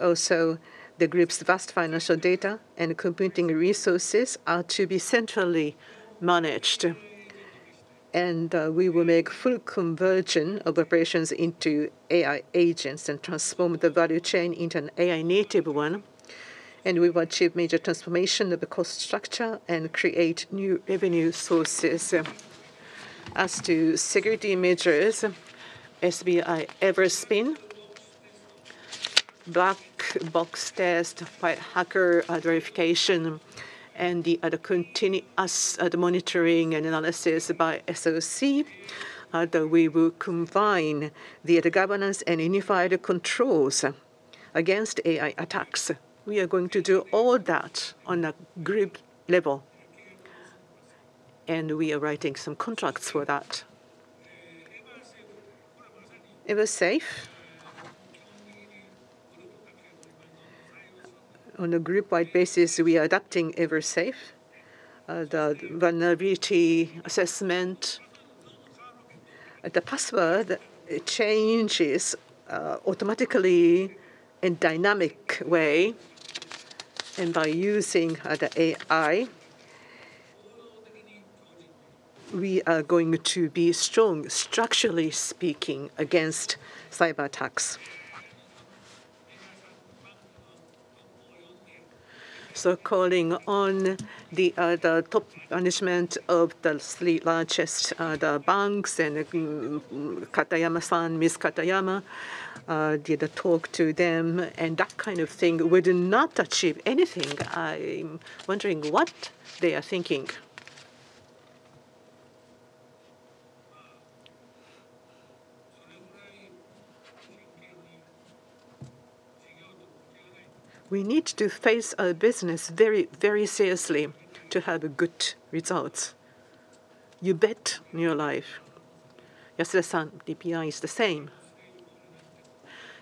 Also the group's vast financial data and computing resources are to be centrally managed. We will make full conversion of operations into AI agents and transform the value chain into an AI native one. We will achieve major transformation of the cost structure and create new revenue sources. As to security measures, SBI EVERSPIN, black box test by hacker, verification and the continuous monitoring and analysis by SOC, that we will combine the governance and unified controls against AI attacks. We are going to do all that on a group level, and we are writing some contracts for that. Eversafe. On a group-wide basis, we are adapting Eversafe, the vulnerability assessment. The password changes automatically in dynamic way. By using the AI, we are going to be strong, structurally speaking, against cyberattacks. Calling on the top management of the three largest banks and Katayama San, Ms. Katayama, did a talk to them, and that kind of thing would not achieve anything. I'm wondering what they are thinking. We need to face our business very, very seriously to have good results. You bet your life. Yasuda San, DPI, is the same.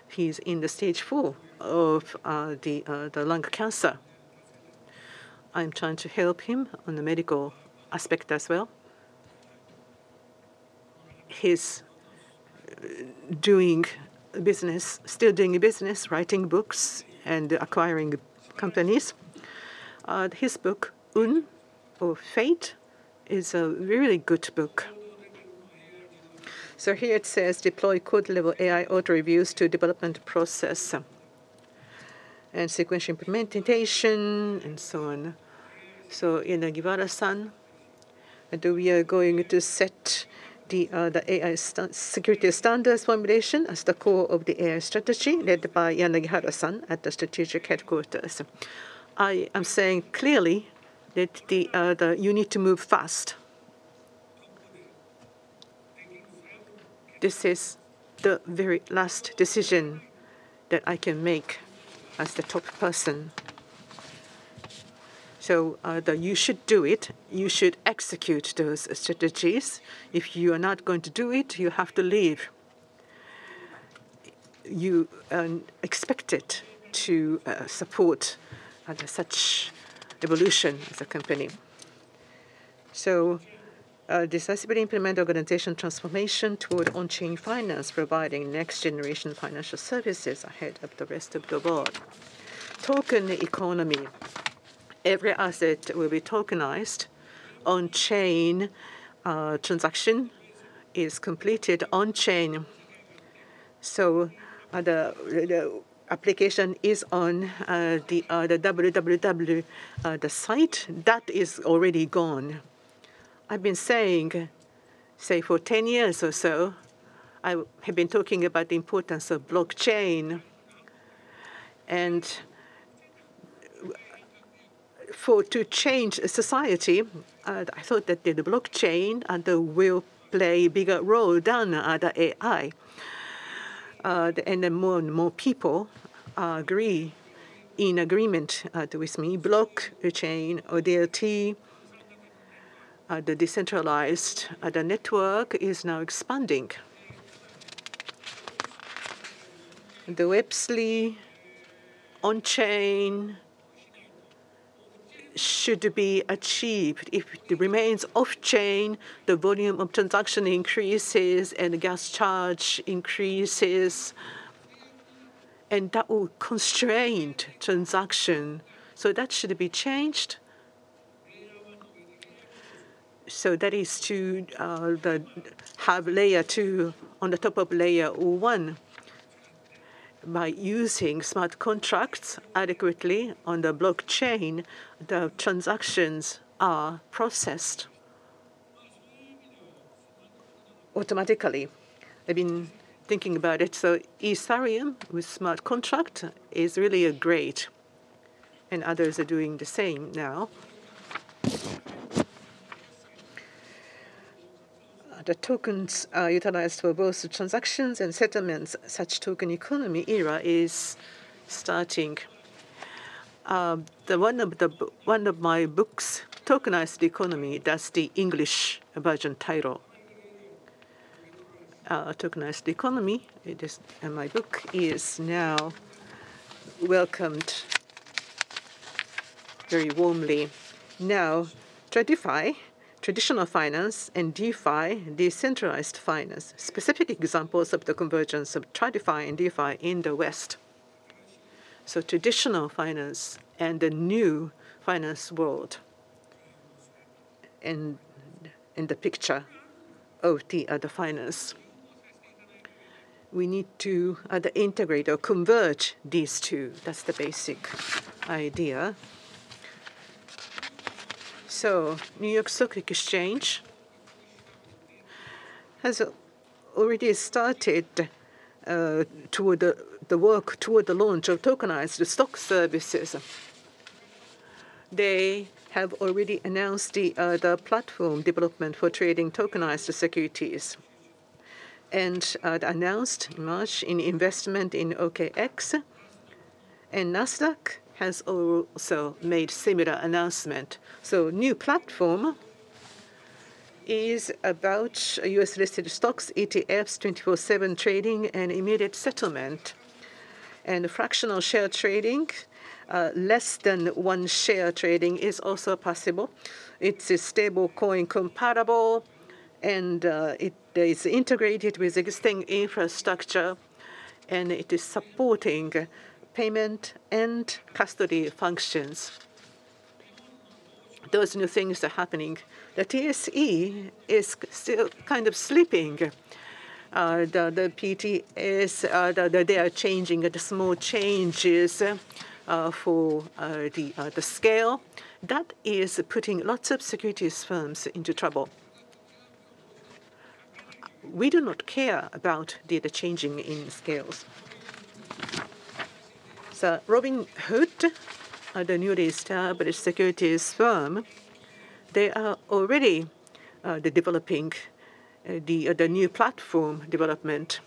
He's in the stage 4 of the lung cancer. I'm trying to help him on the medical aspect as well. He's doing business. Still doing a business, writing books, and acquiring companies. His book, Un or Fate, is a really good book. Here it says deploy code-level AI auto reviews to development process, and sequential implementation, and so on. Yanagihara-san, we are going to set the AI security standards formulation as the core of the AI strategy led by Yanagihara-san at the strategic headquarters. I am saying clearly that you need to move fast. This is the very last decision that I can make as the top person. You should do it. You should execute those strategies. If you are not going to do it, you have to leave. You are expected to support such evolution of the company. Decisively implement organization transformation toward on-chain finance, providing next generation financial services ahead of the rest of the world. Token economy. Every asset will be tokenized. On-chain transaction is completed on-chain. The application is on the www site. That is already gone. I've been saying, say, for 10 years or so, I have been talking about the importance of blockchain and I thought that the blockchain will play a bigger role than the AI. And then more and more people in agreement with me. Blockchain or DLT, the decentralized network is now expanding. The Web3 on-chain should be achieved. If it remains off-chain, the volume of transaction increases, and gas charge increases, and that will constrain transaction. That should be changed. That is to have layer two on the top of layer one. By using smart contracts adequately on the blockchain, the transactions are processed automatically. I've been thinking about it. Ethereum with smart contract is really great, and others are doing the same now. The tokens are utilized for both transactions and settlements. Such token economy era is starting. One of my books, Tokenized Economy, that's the English version title. Tokenized Economy, it is. My book is now welcomed very warmly. TradFi, Traditional Finance, and DeFi, Decentralized Finance. Specific examples of the convergence of TradFi and DeFi in the West. Traditional Finance and the new finance world. In the picture of the other finance. We need to integrate or converge these two. That's the basic idea. New York Stock Exchange has already started the work toward the launch of tokenized stock services. They have already announced the platform development for trading tokenized securities. They announced in March an investment in OKX. Nasdaq has also made similar announcement. New platform is about U.S.-listed stocks, ETFs, 24/7 trading, and immediate settlement. Fractional share trading, less than one share trading is also possible. It's stablecoin compatible, and it is integrated with existing infrastructure, and it is supporting payment and custody functions. Those new things are happening. The TSE is still kind of sleeping. The PTS. They are changing. The small change is for the scale. That is putting lots of securities firms into trouble. We do not care about the changing in scales. Robinhood, the newly established securities firm, they are already developing the new platform development.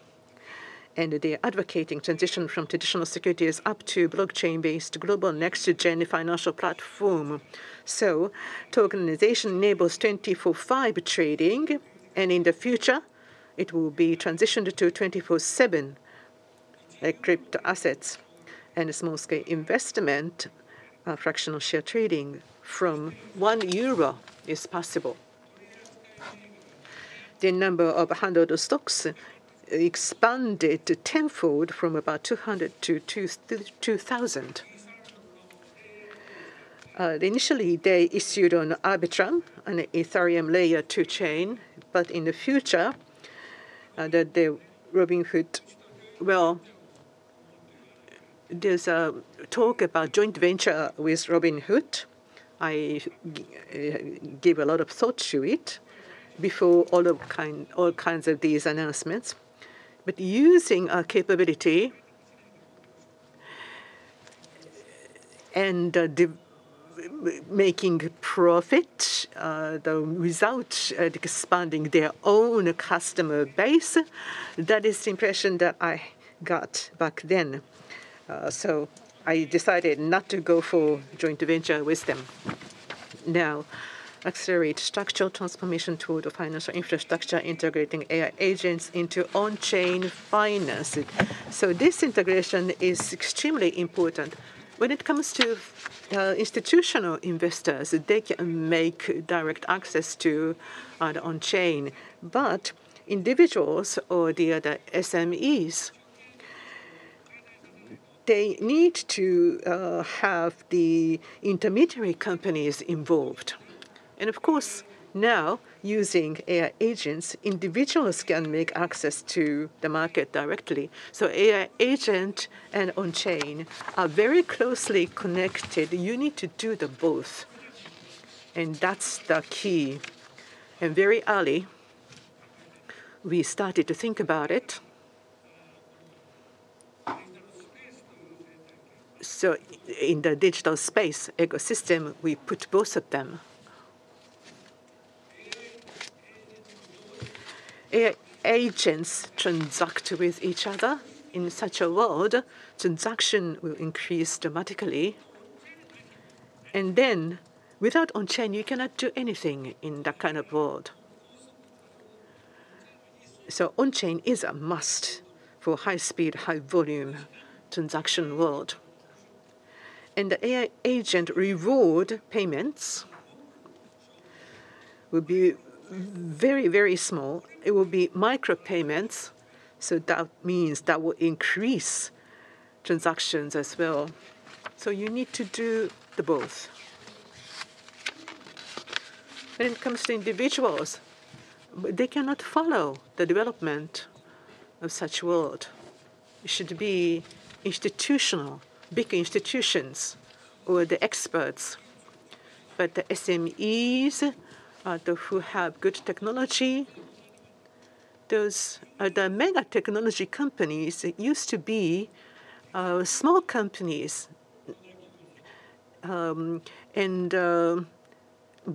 They are advocating transition from traditional securities up to blockchain-based global next-gen financial platform. Tokenization enables 24/5 trading, and in the future, it will be transitioned to 24/7. Like crypto assets and small scale investment, fractional share trading from 1 euro is possible. The number of handled stocks expanded tenfold from about 200 to 2,000. Initially they issued on Arbitrum, an Ethereum layer 2 chain, but in the future, that there Robinhood, well, there's a talk about joint venture with Robinhood. I gave a lot of thought to it before all kinds of these announcements, but using our capability and making profit, the result, expanding their own customer base, that is the impression that I got back then. I decided not to go for joint venture with them. Accelerate structural transformation toward a financial infrastructure integrating AI agents into on-chain finance. This integration is extremely important. When it comes to institutional investors, they can make direct access to the on-chain, but individuals or the other SMEs, they need to have the intermediary companies involved. Of course, now using AI agents, individuals can make access to the market directly. AI agent and on-chain are very closely connected. You need to do them both, and that's the key. Very early we started to think about it. In the digital space ecosystem, we put both of them. AI agents transact with each other. In such a world, transaction will increase dramatically. Without on-chain, you cannot do anything in that kind of world. On-chain is a must for high speed, high volume transaction world. The AI agent reward payments will be very, very small. It will be micro payments, so that means that will increase transactions as well. You need to do them both. When it comes to individuals, they cannot follow the development of such world. It should be institutional, big institutions or the experts. The SMEs are who have good technology. Those are the mega technology companies that used to be small companies.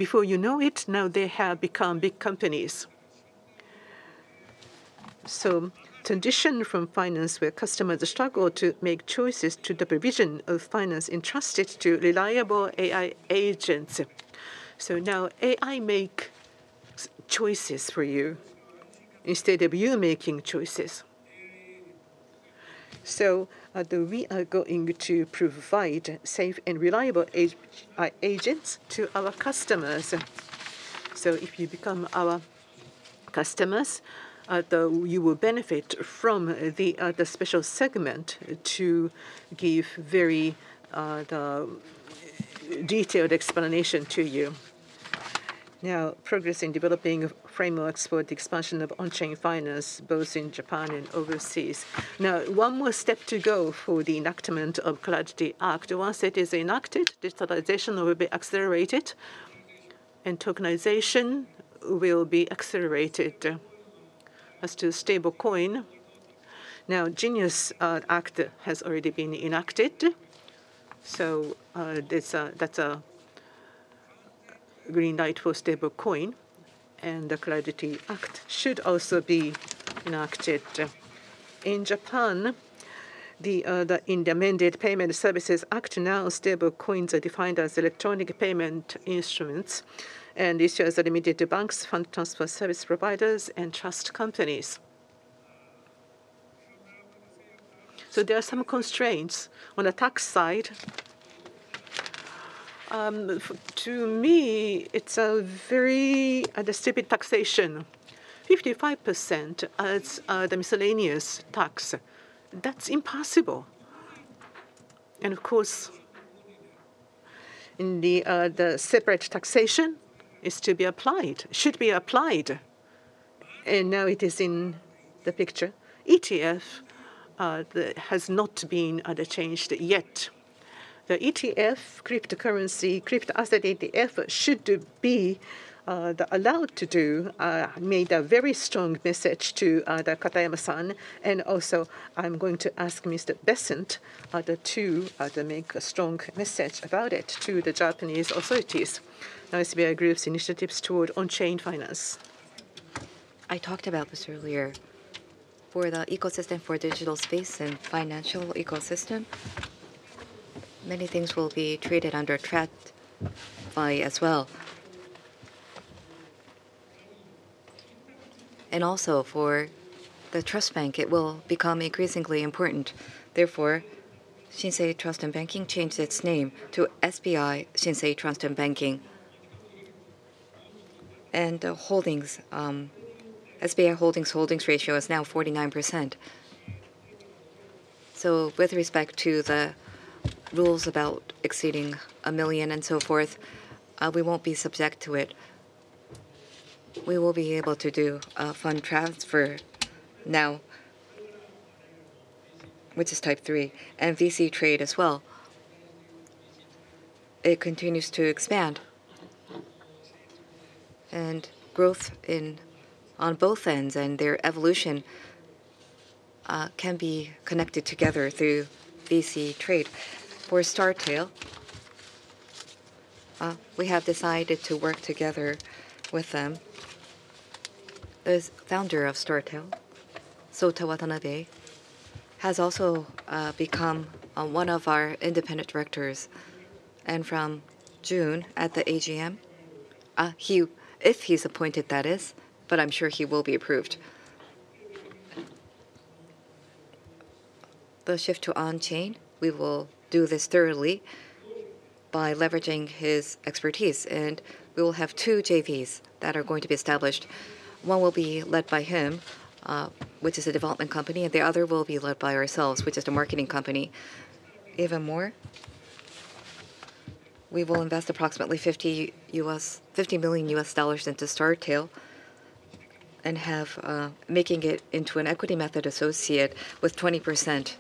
Before you know it, now they have become big companies. Transition from finance where customers struggle to make choices to the provision of finance entrusted to reliable AI agents. Now AI make choices for you instead of you making choices. We are going to provide safe and reliable agents to our customers. If you become our customers, you will benefit from the special segment to give very detailed explanation to you. Progress in developing frameworks for the expansion of on-chain finance, both in Japan and overseas. One more step to go for the enactment of CLARITY Act. Once it is enacted, digitalization will be accelerated and tokenization will be accelerated. As to stablecoin, GENIUS Act has already been enacted. That's a, that's a green light for stablecoin, and the CLARITY Act should also be enacted. In Japan, in the Amended Payment Services Act, now stablecoins are defined as electronic payment instruments, and issuers are limited to banks, fund transfer service providers, and trust companies. There are some constraints on the tax side. To me, it's a very stupid taxation. 55%, it's the miscellaneous tax. That's impossible. Of course, in the separate taxation is to be applied, should be applied, and now it is in the picture. ETF has not been changed yet. The ETF cryptocurrency, crypto asset ETF should be allowed to do, made a very strong message to the Katayama San, also I'm going to ask Mr. Bessent to make a strong message about it to the Japanese authorities. Now, SBI Group's initiatives toward onchain finance. I talked about this earlier. For the ecosystem for digital space and financial ecosystem, many things will be traded under TradFi as well. Also for the trust bank, it will become increasingly important. Therefore, Shinsei Trust & Banking changed its name to SBI Shinsei Trust & Banking. SBI Holdings' holdings ratio is now 49%. With respect to the rules about exceeding 1 million and so forth, we won't be subject to it. We will be able to do a fund transfer now, which is type 3, and VC Trade as well. It continues to expand. Growth on both ends and their evolution can be connected together through VC Trade. For Startale, we have decided to work together with them. The founder of Startale, Sota Watanabe, has also become one of our independent directors. From June at the AGM, if he's appointed, that is, but I'm sure he will be approved. The shift to on-chain, we will do this thoroughly by leveraging his expertise, and we will have two JVs that are going to be established. One will be led by him, which is a development company, and the other will be led by ourselves, which is the marketing company. Even more, we will invest approximately $50 million US dollars into Startale and have, making it into an equity method associate with 20%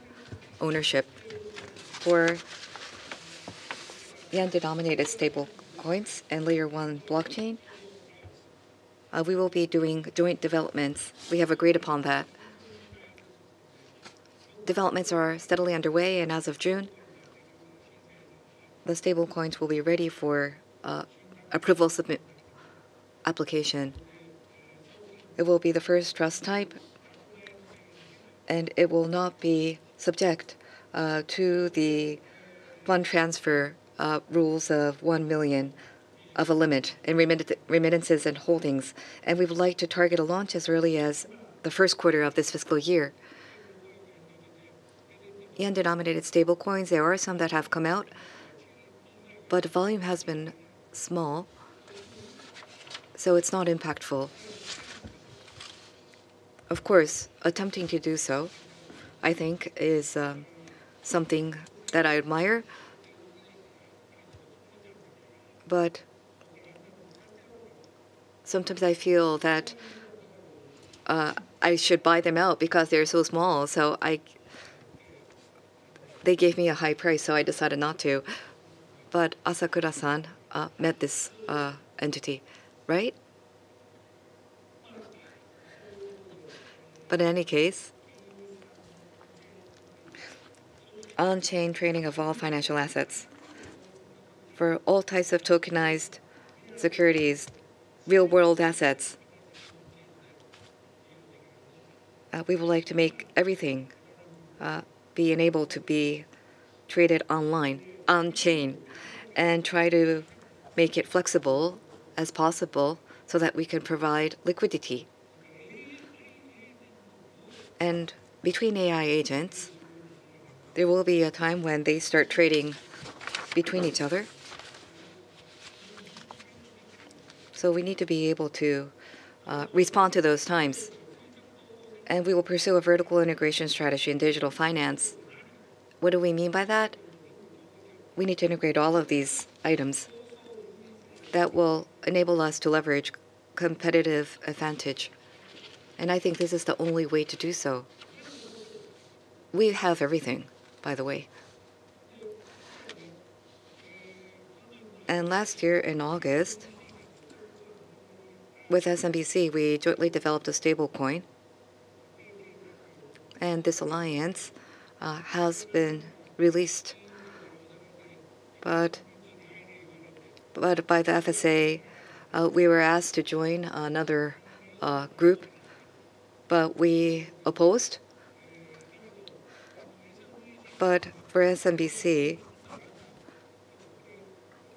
ownership. For yen-denominated stablecoins and layer one blockchain, we will be doing joint developments. We have agreed upon that. Developments are steadily underway, and as of June, the stablecoins will be ready for approval submit application. It will be the first trust type, and it will not be subject to the fund transfer rules of 1 million of a limit in remittances and holdings. We would like to target a launch as early as the first quarter of this fiscal year. JPY-denominated stablecoins, there are some that have come out, but volume has been small, so it's not impactful. Of course, attempting to do so, I think, is something that I admire. Sometimes I feel that I should buy them out because they're so small. They gave me a high price, so I decided not to. Asakura met this entity, right? In any case, onchain trading of all financial assets for all types of tokenized securities, real-world assets, we would like to make everything be enabled to be traded online, onchain, and try to make it flexible as possible so that we can provide liquidity. Between AI agents, there will be a time when they start trading between each other. We need to be able to respond to those times. We will pursue a vertical integration strategy in digital finance. What do we mean by that? We need to integrate all of these items that will enable us to leverage competitive advantage. I think this is the only way to do so. We have everything, by the way. Last year in August, with SMBC, we jointly developed a stablecoin, and this alliance has been released. But by the FSA, we were asked to join another group, but we opposed. For SMBC,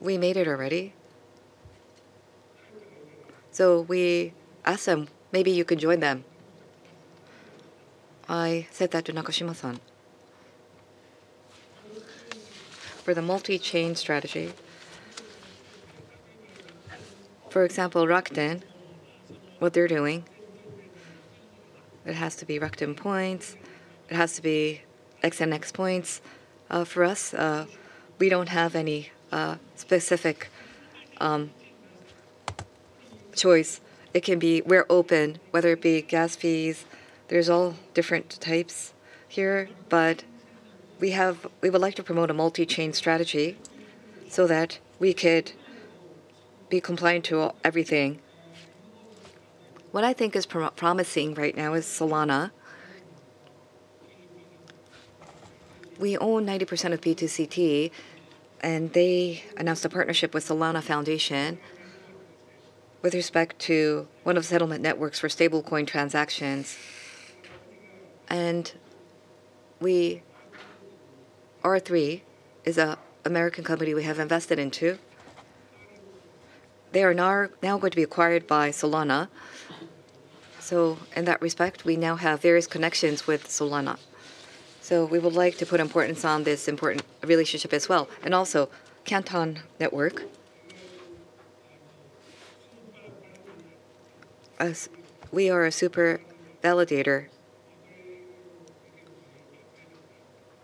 we made it already. We asked them, "Maybe you could join them." I said that to Nakashima. For the multi-chain strategy. For example, Rakuten, what they're doing, it has to be Rakuten points. It has to be XNX points. For us, we don't have any specific choice. We're open, whether it be gas fees. There's all different types here. We would like to promote a multi-chain strategy so that we could be compliant to everything. What I think is promising right now is Solana. We own 90% of B2C2. They announced a partnership with Solana Foundation with respect to one of settlement networks for stablecoin transactions. R3 is an American company we have invested into. They are now going to be acquired by Solana. In that respect, we now have various connections with Solana. We would like to put importance on this important relationship as well. Also, Canton Network. As we are a super validator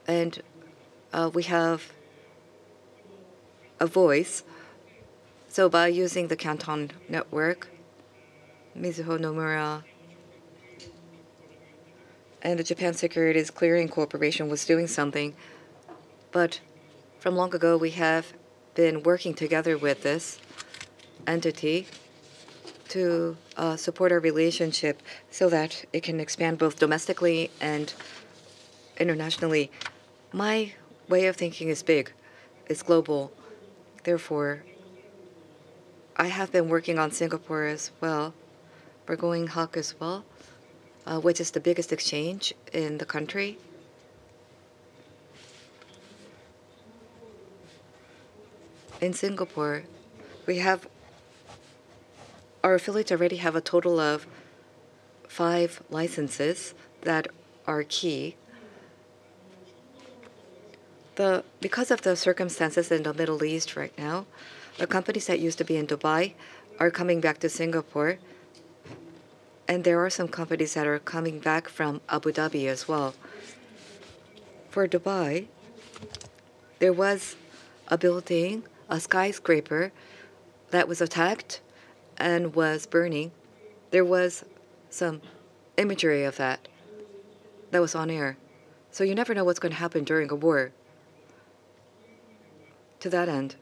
and we have a voice. By using the Canton Network, Mizuho Nomura and the Japan Securities Clearing Corporation was doing something. From long ago, we have been working together with this entity to support our relationship so that it can expand both domestically and internationally. My way of thinking is big, it's global. Therefore, I have been working on Singapore as well. We're Coinhako as well, which is the biggest exchange in the country. In Singapore, our affiliates already have a total of five licenses that are key. Because of the circumstances in the Middle East right now, the companies that used to be in Dubai are coming back to Singapore, and there are some companies that are coming back from Abu Dhabi as well. For Dubai, there was a building, a skyscraper that was attacked and was burning. There was some imagery of that was on air. You never know what's going to happen during a war. To that end,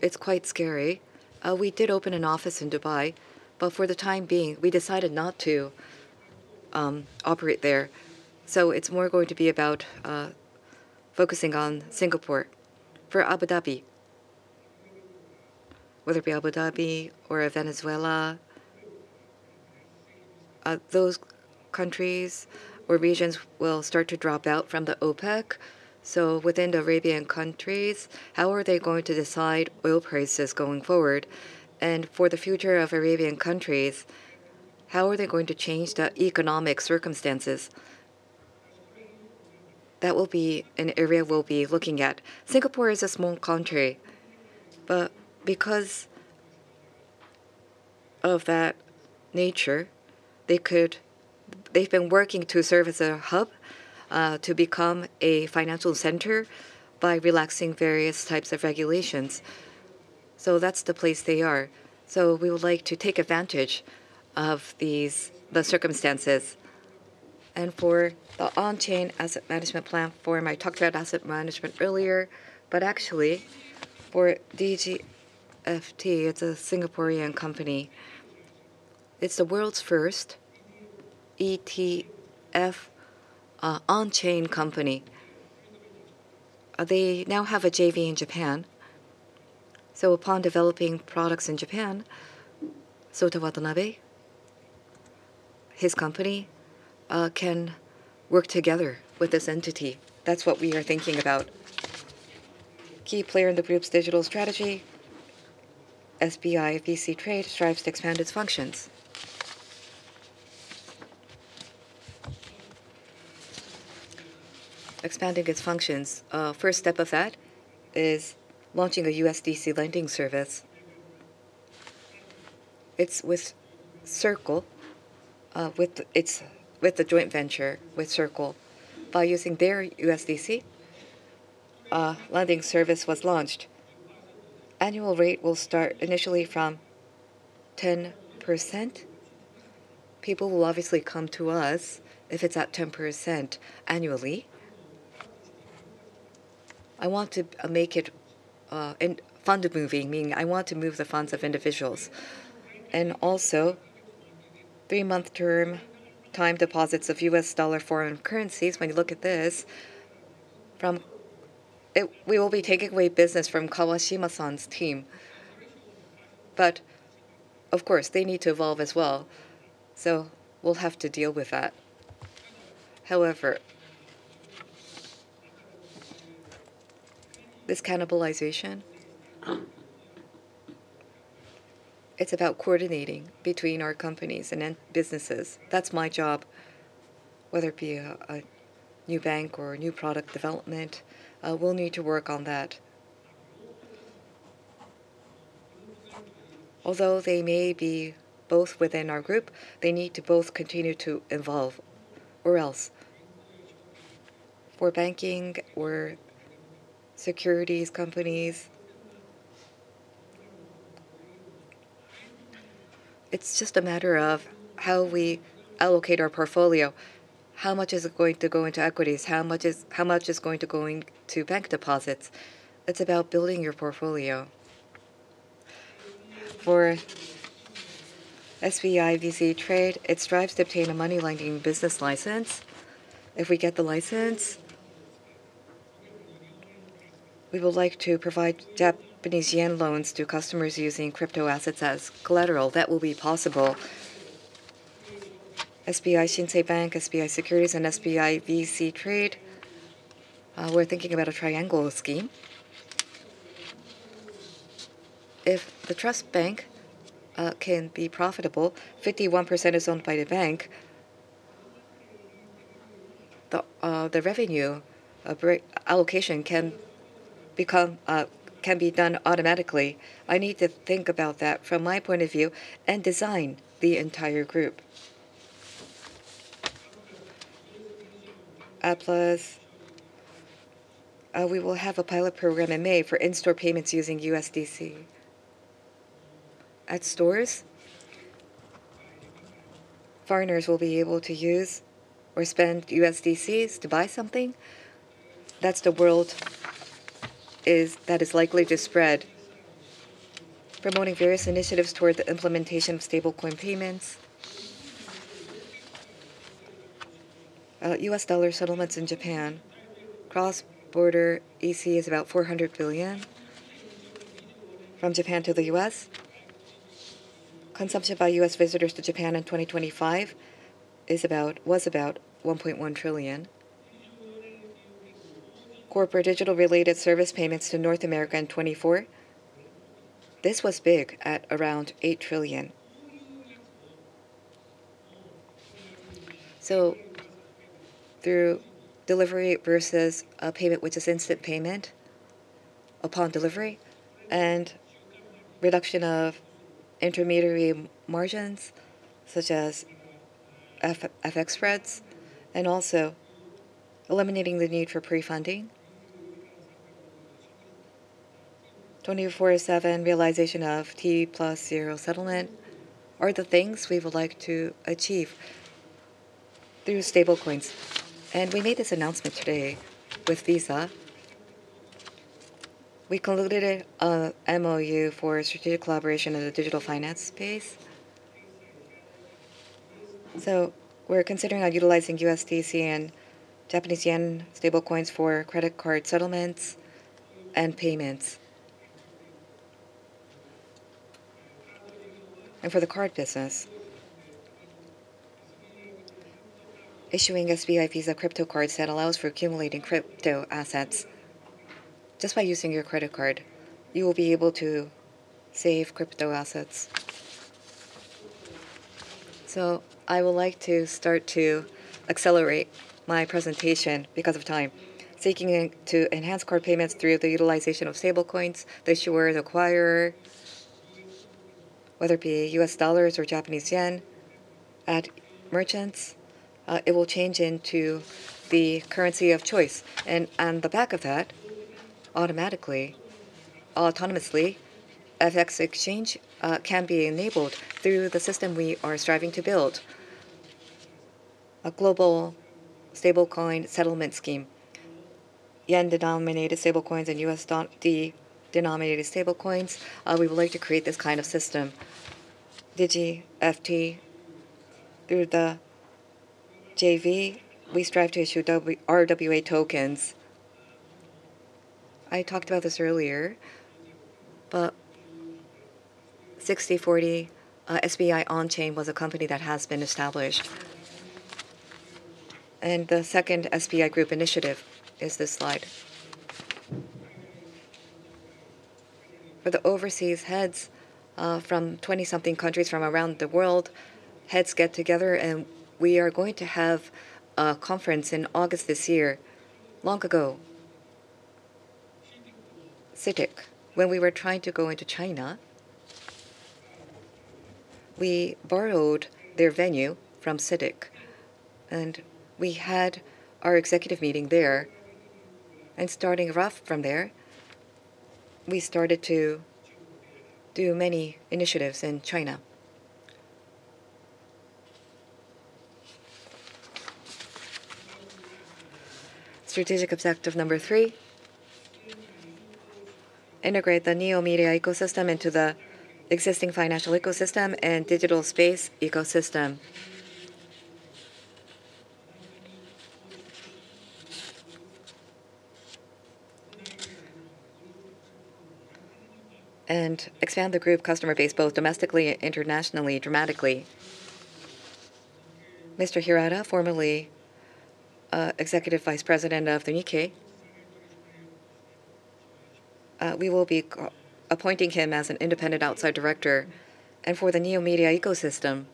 it's quite scary. We did open an office in Dubai, but for the time being, we decided not to operate there. It's more going to be about focusing on Singapore. For Abu Dhabi, whether it be Abu Dhabi or Venezuela, those countries or regions will start to drop out from the OPEC. Within the Arabian countries, how are they going to decide oil prices going forward? For the future of Arabian countries, how are they going to change the economic circumstances? That will be an area we'll be looking at. Singapore is a small country, because of that nature, they've been working to serve as a hub to become a financial center by relaxing various types of regulations. That's the place they are. We would like to take advantage of these, the circumstances. For the on-chain asset management platform, I talked about asset management earlier, actually for DigiFT, it's a Singaporean company. It's the world's first ETF on-chain company. They now have a JV in Japan. Upon developing products in Japan, Sota Watanabe, his company, can work together with this entity. That's what we are thinking about. Key player in the group's digital strategy. SBI VC Trade strives to expand its functions. First step of that is launching a USDC lending service. It's with a joint venture with Circle. By using their USDC, a lending service was launched. Annual rate will start initially from 10%. People will obviously come to us if it's at 10% annually. I want to make it in fund moving, meaning I want to move the funds of individuals. Also three-month term time deposits of US dollar foreign currencies. We will be taking away business from Kawashima-san's team. Of course, they need to evolve as well, so we'll have to deal with that. This cannibalization, it's about coordinating between our companies and then businesses. That's my job. Whether it be a new bank or a new product development, we'll need to work on that. They may be both within our group, they need to both continue to evolve or else. For banking or securities companies, it's just a matter of how we allocate our portfolio. How much is it going to go into equities? How much is going to go into bank deposits? It's about building your portfolio. For SBI VC Trade, it strives to obtain a money-lending business license. If we get the license. We would like to provide Japanese yen loans to customers using crypto assets as collateral. That will be possible. SBI Shinsei Bank, SBI Securities, and SBI VC Trade, we're thinking about a triangle scheme. If the trust bank can be profitable, 51% is owned by the bank, the revenue allocation can be done automatically. I need to think about that from my point of view and design the entire group. APLUS, we will have a pilot program in May for in-store payments using USDC. At stores, foreigners will be able to use or spend USDCs to buy something. That's the world is that is likely to spread. Promoting various initiatives toward the implementation of stablecoin payments. U.S. dollar settlements in Japan. Cross-border EC is about 400 billion from Japan to the U.S. Consumption by U.S. visitors to Japan in 2025 was about 1.1 trillion. Corporate digital related service payments to North America in 2024, this was big at around 8 trillion. Through delivery versus a payment which is instant payment upon delivery, and reduction of intermediary margins such as FX spreads, and also eliminating the need for pre-funding. 24/7 realization of T+0 settlement are the things we would like to achieve through stablecoins. We made this announcement today with Visa. We concluded a MOU for strategic collaboration in the digital finance space. We're considering utilizing USDC and Japanese yen stablecoins for credit card settlements and payments. For the card business. Issuing SBI Visa Crypto Cards that allows for accumulating crypto assets. Just by using your credit card, you will be able to save crypto assets. I would like to start to accelerate my presentation because of time. Seeking to enhance card payments through the utilization of stablecoins, the issuer, the acquirer, whether it be US dollars or Japanese yen at merchants, it will change into the currency of choice. On the back of that, automatically, autonomously, FX exchange can be enabled through the system we are striving to build. A global stablecoin settlement scheme. Yen-denominated stablecoins and USD-denominated stablecoins, we would like to create this kind of system. DigiFT through the JV, we strive to issue RWA tokens. I talked about this earlier, 60/40, SBI Onchain was a company that has been established. The second SBI Group initiative is this slide. For the overseas heads, from 20-something countries from around the world, heads get together, and we are going to have a conference in August this year. Long ago CITIC, when we were trying to go into China, we borrowed their venue from CITIC, and we had our executive meeting there. Starting rough from there, we started to do many initiatives in China. Strategic objective number three, integrate the new media ecosystem into the existing financial ecosystem and digital space ecosystem. Expand the group customer base both domestically and internationally dramatically. Mr. Hirata, formerly, Executive Vice President of the Nikkei, we will be appointing him as an independent outside director. For the new media ecosystem,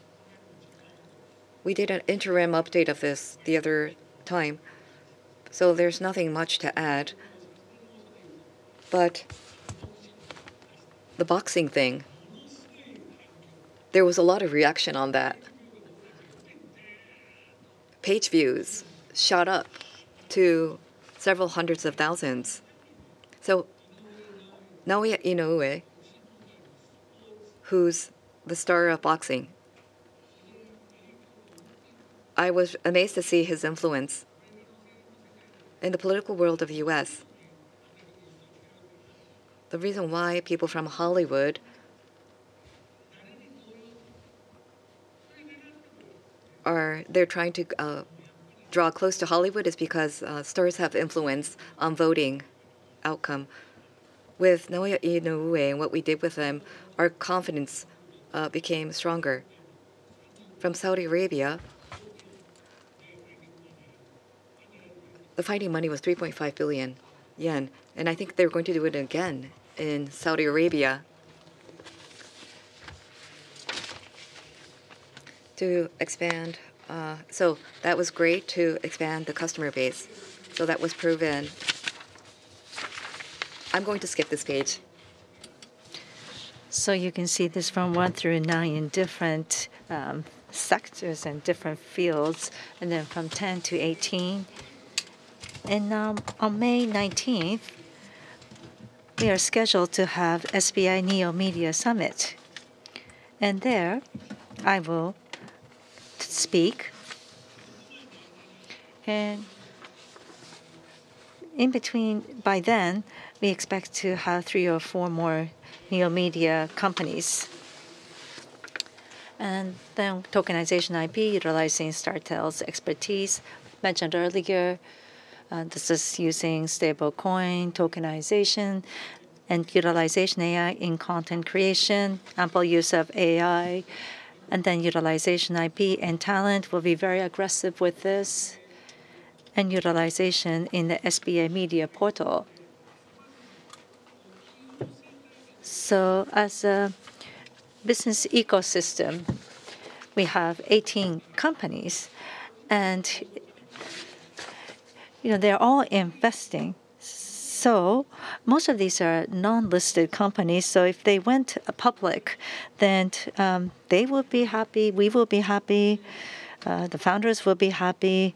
we did an interim update of this the other time, so there's nothing much to add. The boxing thing, there was a lot of reaction on that. Page views shot up to several hundreds of thousands. Naoya Inoue, who’s the star of boxing, I was amazed to see his influence in the political world of the U.S. The reason why people from Hollywood are, they're trying to draw close to Hollywood is because stars have influence on voting outcome. With Naoya Inoue and what we did with him, our confidence became stronger. From Saudi Arabia, the funding money was 3.5 billion yen, and I think they're going to do it again in Saudi Arabia. That was great to expand the customer base. That was proven. I'm going to skip this page. You can see this from one through nine different sectors and different fields, and then from 10 to 18. On May 19th, we are scheduled to have SBI Neo Media Summit. There I will speak. In between, by then, we expect to have three or four more Neo Media companies. Tokenization IP utilizing Startale's expertise. Mentioned earlier, this is using stablecoin tokenization and utilization AI in content creation, ample use of AI, utilization IP and talent. We'll be very aggressive with this, utilization in the SBI Media Portal. As a business ecosystem, we have 18 companies, you know, they're all investing. Most of these are non-listed companies, if they went public, they will be happy, we will be happy, the founders will be happy.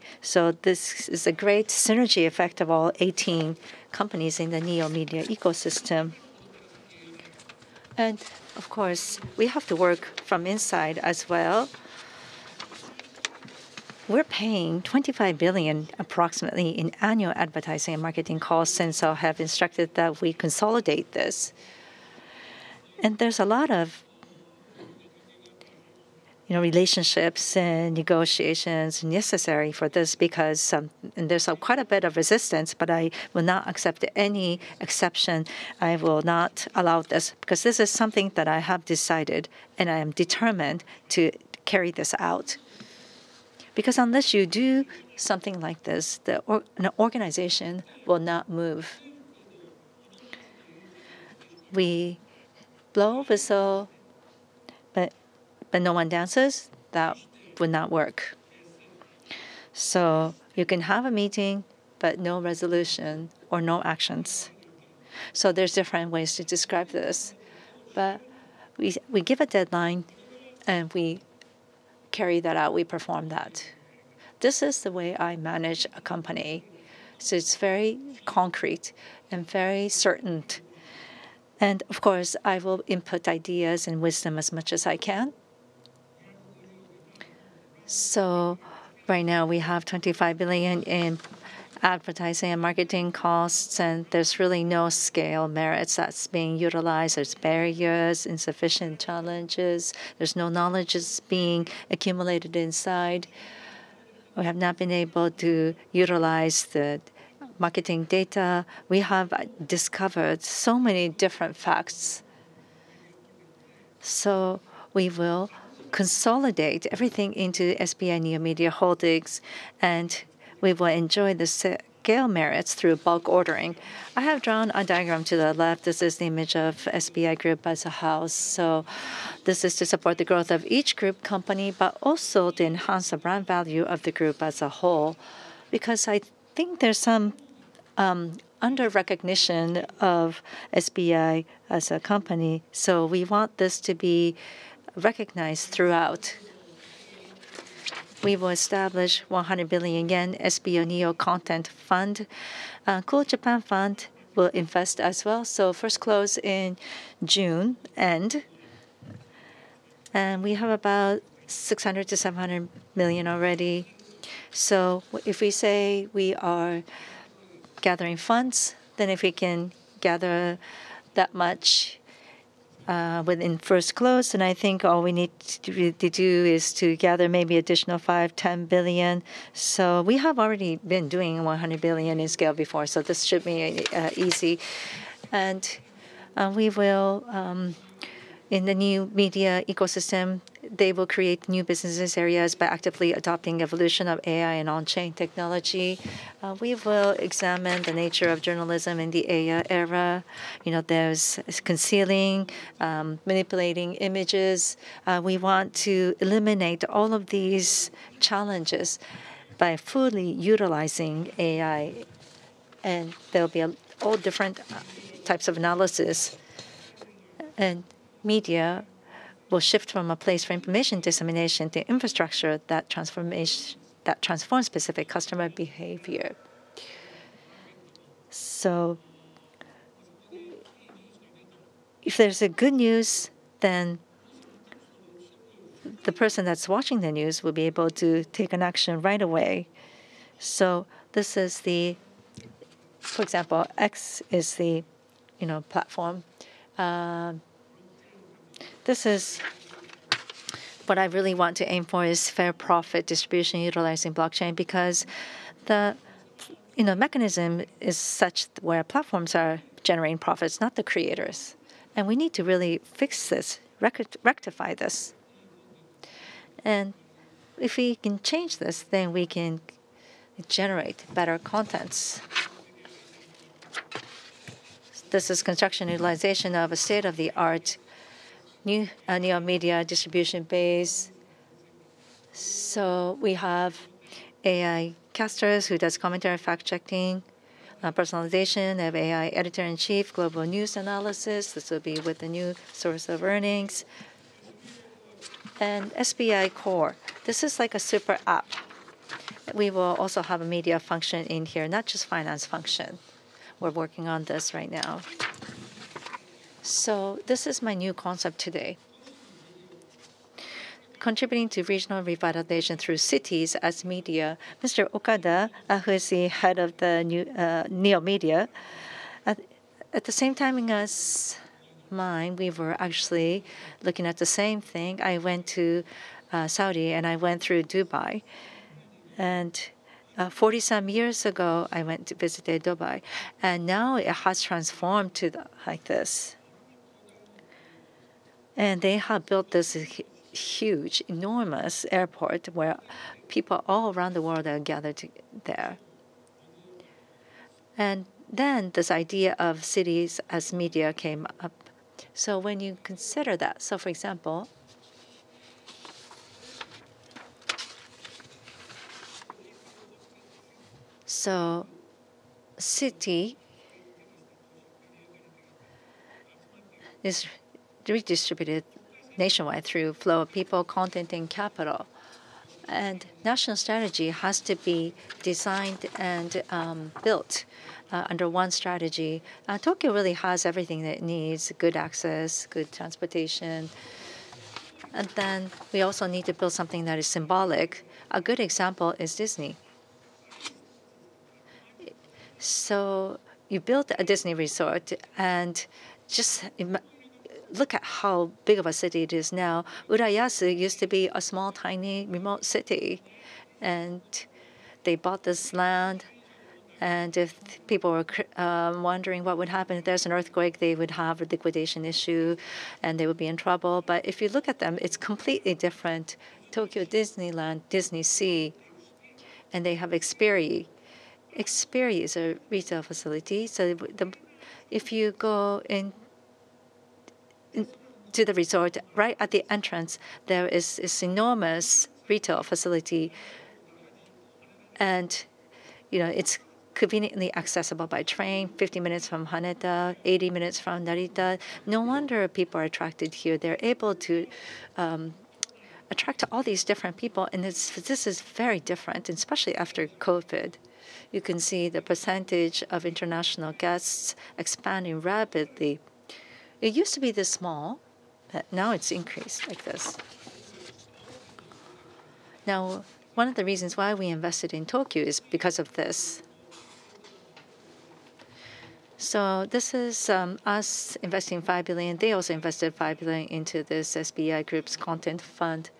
This is a great synergy effect of all 18 companies in the Neo Media ecosystem. Of course, we have to work from inside as well. We're paying 25 billion approximately in annual advertising and marketing costs since I have instructed that we consolidate this. There's a lot of, you know, relationships and negotiations necessary for this because there's quite a bit of resistance, but I will not accept any exception. I will not allow this because this is something that I have decided and I am determined to carry this out. Unless you do something like this, an organization will not move. We blow whistle, but no one dances, that would not work. You can have a meeting, but no resolution or no actions. There's different ways to describe this. We give a deadline, and we carry that out, we perform that. This is the way I manage a company, so it's very concrete and very certain. Of course, I will input ideas and wisdom as much as I can. Right now we have 25 billion in advertising and marketing costs, and there's really no scale merits that's being utilized. There's barriers, insufficient challenges. There's no knowledge being accumulated inside. We have not been able to utilize the marketing data. We have discovered so many different facts. We will consolidate everything into SBI Neo Media Holdings, and we will enjoy the scale merits through bulk ordering. I have drawn a diagram to the left. This is the image of SBI Group as a house. This is to support the growth of each group company, but also to enhance the brand value of the group as a whole. Because I think there's some under-recognition of SBI as a company, so we want this to be recognized throughout. We will establish 100 billion yen SBI Neo Content Fund. Cool Japan Fund will invest as well. First close in June end. We have about 600 million to 700 million already. If we say we are gathering funds, then if we can gather that much within first close, and I think all we need to do is to gather maybe additional 5 billion, 10 billion. We have already been doing 100 billion in scale before. This should be easy. We will, in the new media ecosystem, they will create new businesses areas by actively adopting evolution of AI and on-chain technology. We will examine the nature of journalism in the AI era. You know, there's concealing, manipulating images. We want to eliminate all of these challenges by fully utilizing AI. There'll be a whole different types of analysis. Media will shift from a place for information dissemination to infrastructure that transforms specific customer behavior. If there's a good news, then the person that's watching the news will be able to take an action right away. This is the, for example, AX is the, you know, platform. This is what I really want to aim for is fair profit distribution utilizing blockchain because the, you know, mechanism is such where platforms are generating profits, not the creators. We need to really fix this, rectify this. If we can change this, then we can generate better contents. This is construction utilization of a state-of-the-art new media distribution base. We have AI casters who does commentary, fact-checking, personalization. We have AI editor-in-chief, global news analysis. This will be with the new source of earnings. SBI Core, this is like a super app. We will also have a media function in here, not just finance function. We're working on this right now. This is my new concept today. Contributing to regional revitalization through cities as media. Mr. Okada, who is the head of the new Neo Media, at the same time in our mind, we were actually looking at the same thing. I went to Saudi and I went through Dubai. 40-some years ago, I went to visit Dubai, and now it has transformed to the like this. They have built this huge, enormous airport where people all around the world are gathered there. This idea of cities as media came up. When you consider that, for example, city is redistributed nationwide through flow of people, content, and capital. National strategy has to be designed and built under one strategy. Tokyo really has everything that it needs, good access, good transportation. Then we also need to build something that is symbolic. A good example is Disney. You build a Disney resort and look at how big of a city it is now. Urayasu used to be a small, tiny, remote city, and they bought this land, and if people were wondering what would happen if there's an earthquake, they would have a liquidation issue, and they would be in trouble. If you look at them, it's completely different. Tokyo Disneyland, DisneySea, and they have Ikspiari. Ikspiari is a retail facility, so the... If you go into the resort, right at the entrance, there is this enormous retail facility. You know, it's conveniently accessible by train, 50 minutes from Haneda, 80 minutes from Narita. No wonder people are attracted here. They're able to attract all these different people, and this is very different, and especially after COVID. You can see the percentage of international guests expanding rapidly. It used to be this small, but now it's increased like this. One of the reasons why we invested in Tokyu is because of this. This is us investing 5 billion. They also invested 5 billion into this SBI Neo Content Fund.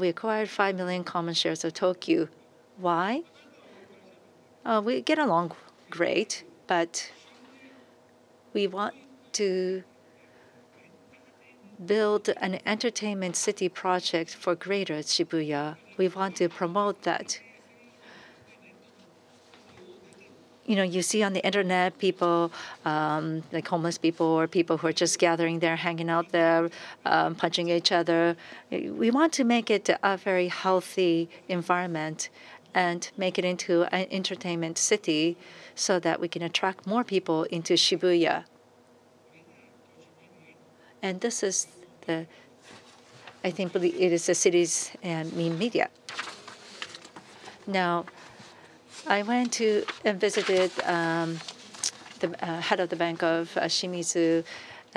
We acquired 5 million common shares of Tokyu. Why? We get along great, but we want to build an entertainment city project for Greater Shibuya. We want to promote that. You know, you see on the internet people, like homeless people or people who are just gathering there, hanging out there, punching each other. We want to make it a very healthy environment and make it into an entertainment city so that we can attract more people into Shibuya. I think really it is the cities and new media. I went to and visited the head of the Shimizu Bank,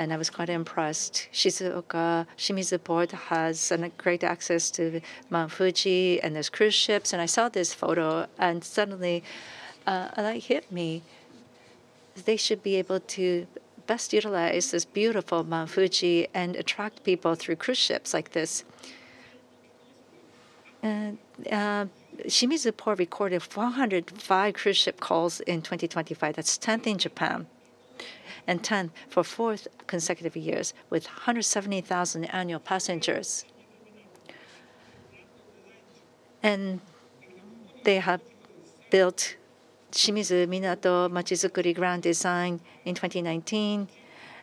and I was quite impressed. Shimizu Port has great access to Mount Fuji and there's cruise ships, and I saw this photo and suddenly that hit me. They should be able to best utilize this beautiful Mount Fuji and attract people through cruise ships like this. Shimizu Port recorded 405 cruise ship calls in 2025. That's 10th in Japan and 10th for fourth consecutive years, with 170,000 annual passengers. They have built Shimizu Minato Machizukuri Grand Design in 2019,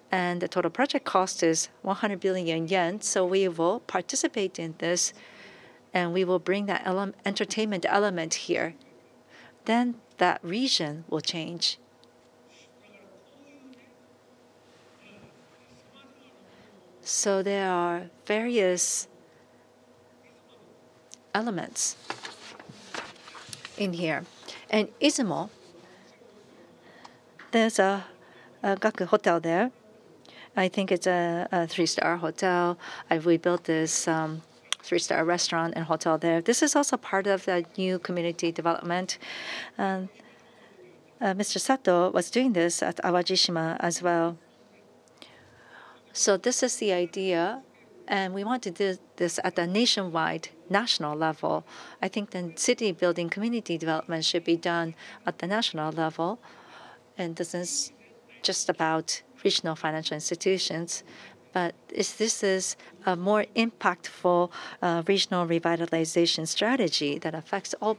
the total project cost is 100 billion yen. We will participate in this, we will bring that entertainment element here. That region will change. There are various elements in here. In Izumo, there's a Gakko hotel there. I think it's a three-star hotel. We built this three-star restaurant and hotel there. This is also part of the new community development. Mr. Sato was doing this at Awajishima as well. This is the idea, we want to do this at a national level. I think the city building community development should be done at the national level. This is just about regional financial institutions. This is a more impactful regional revitalization strategy that affects all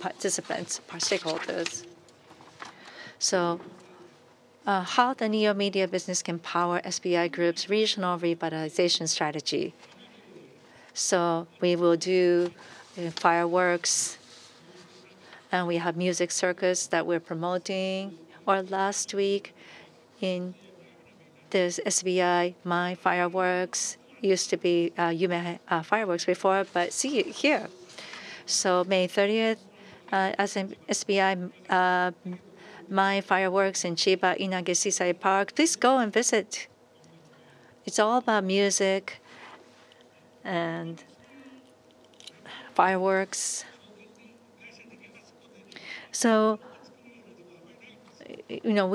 participants, stakeholders. How the Neo Media business can power SBI Group's regional revitalization strategy. We will do the fireworks, and we have MUSIC CIRCUS that we're promoting. Last week in this SBI Mai Hanabi, used to be Yume Fireworks before, but see it here. May 30th, as in SBI Mai Hanabi in Chiba, Inage Seaside Park. Please go and visit. It's all about music and fireworks. You know,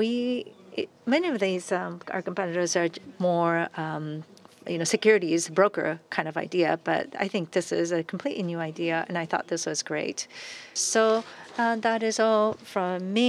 many of these, our competitors are more, you know, securities broker kind of idea, but I think this is a completely new idea, and I thought this was great. That is all from me.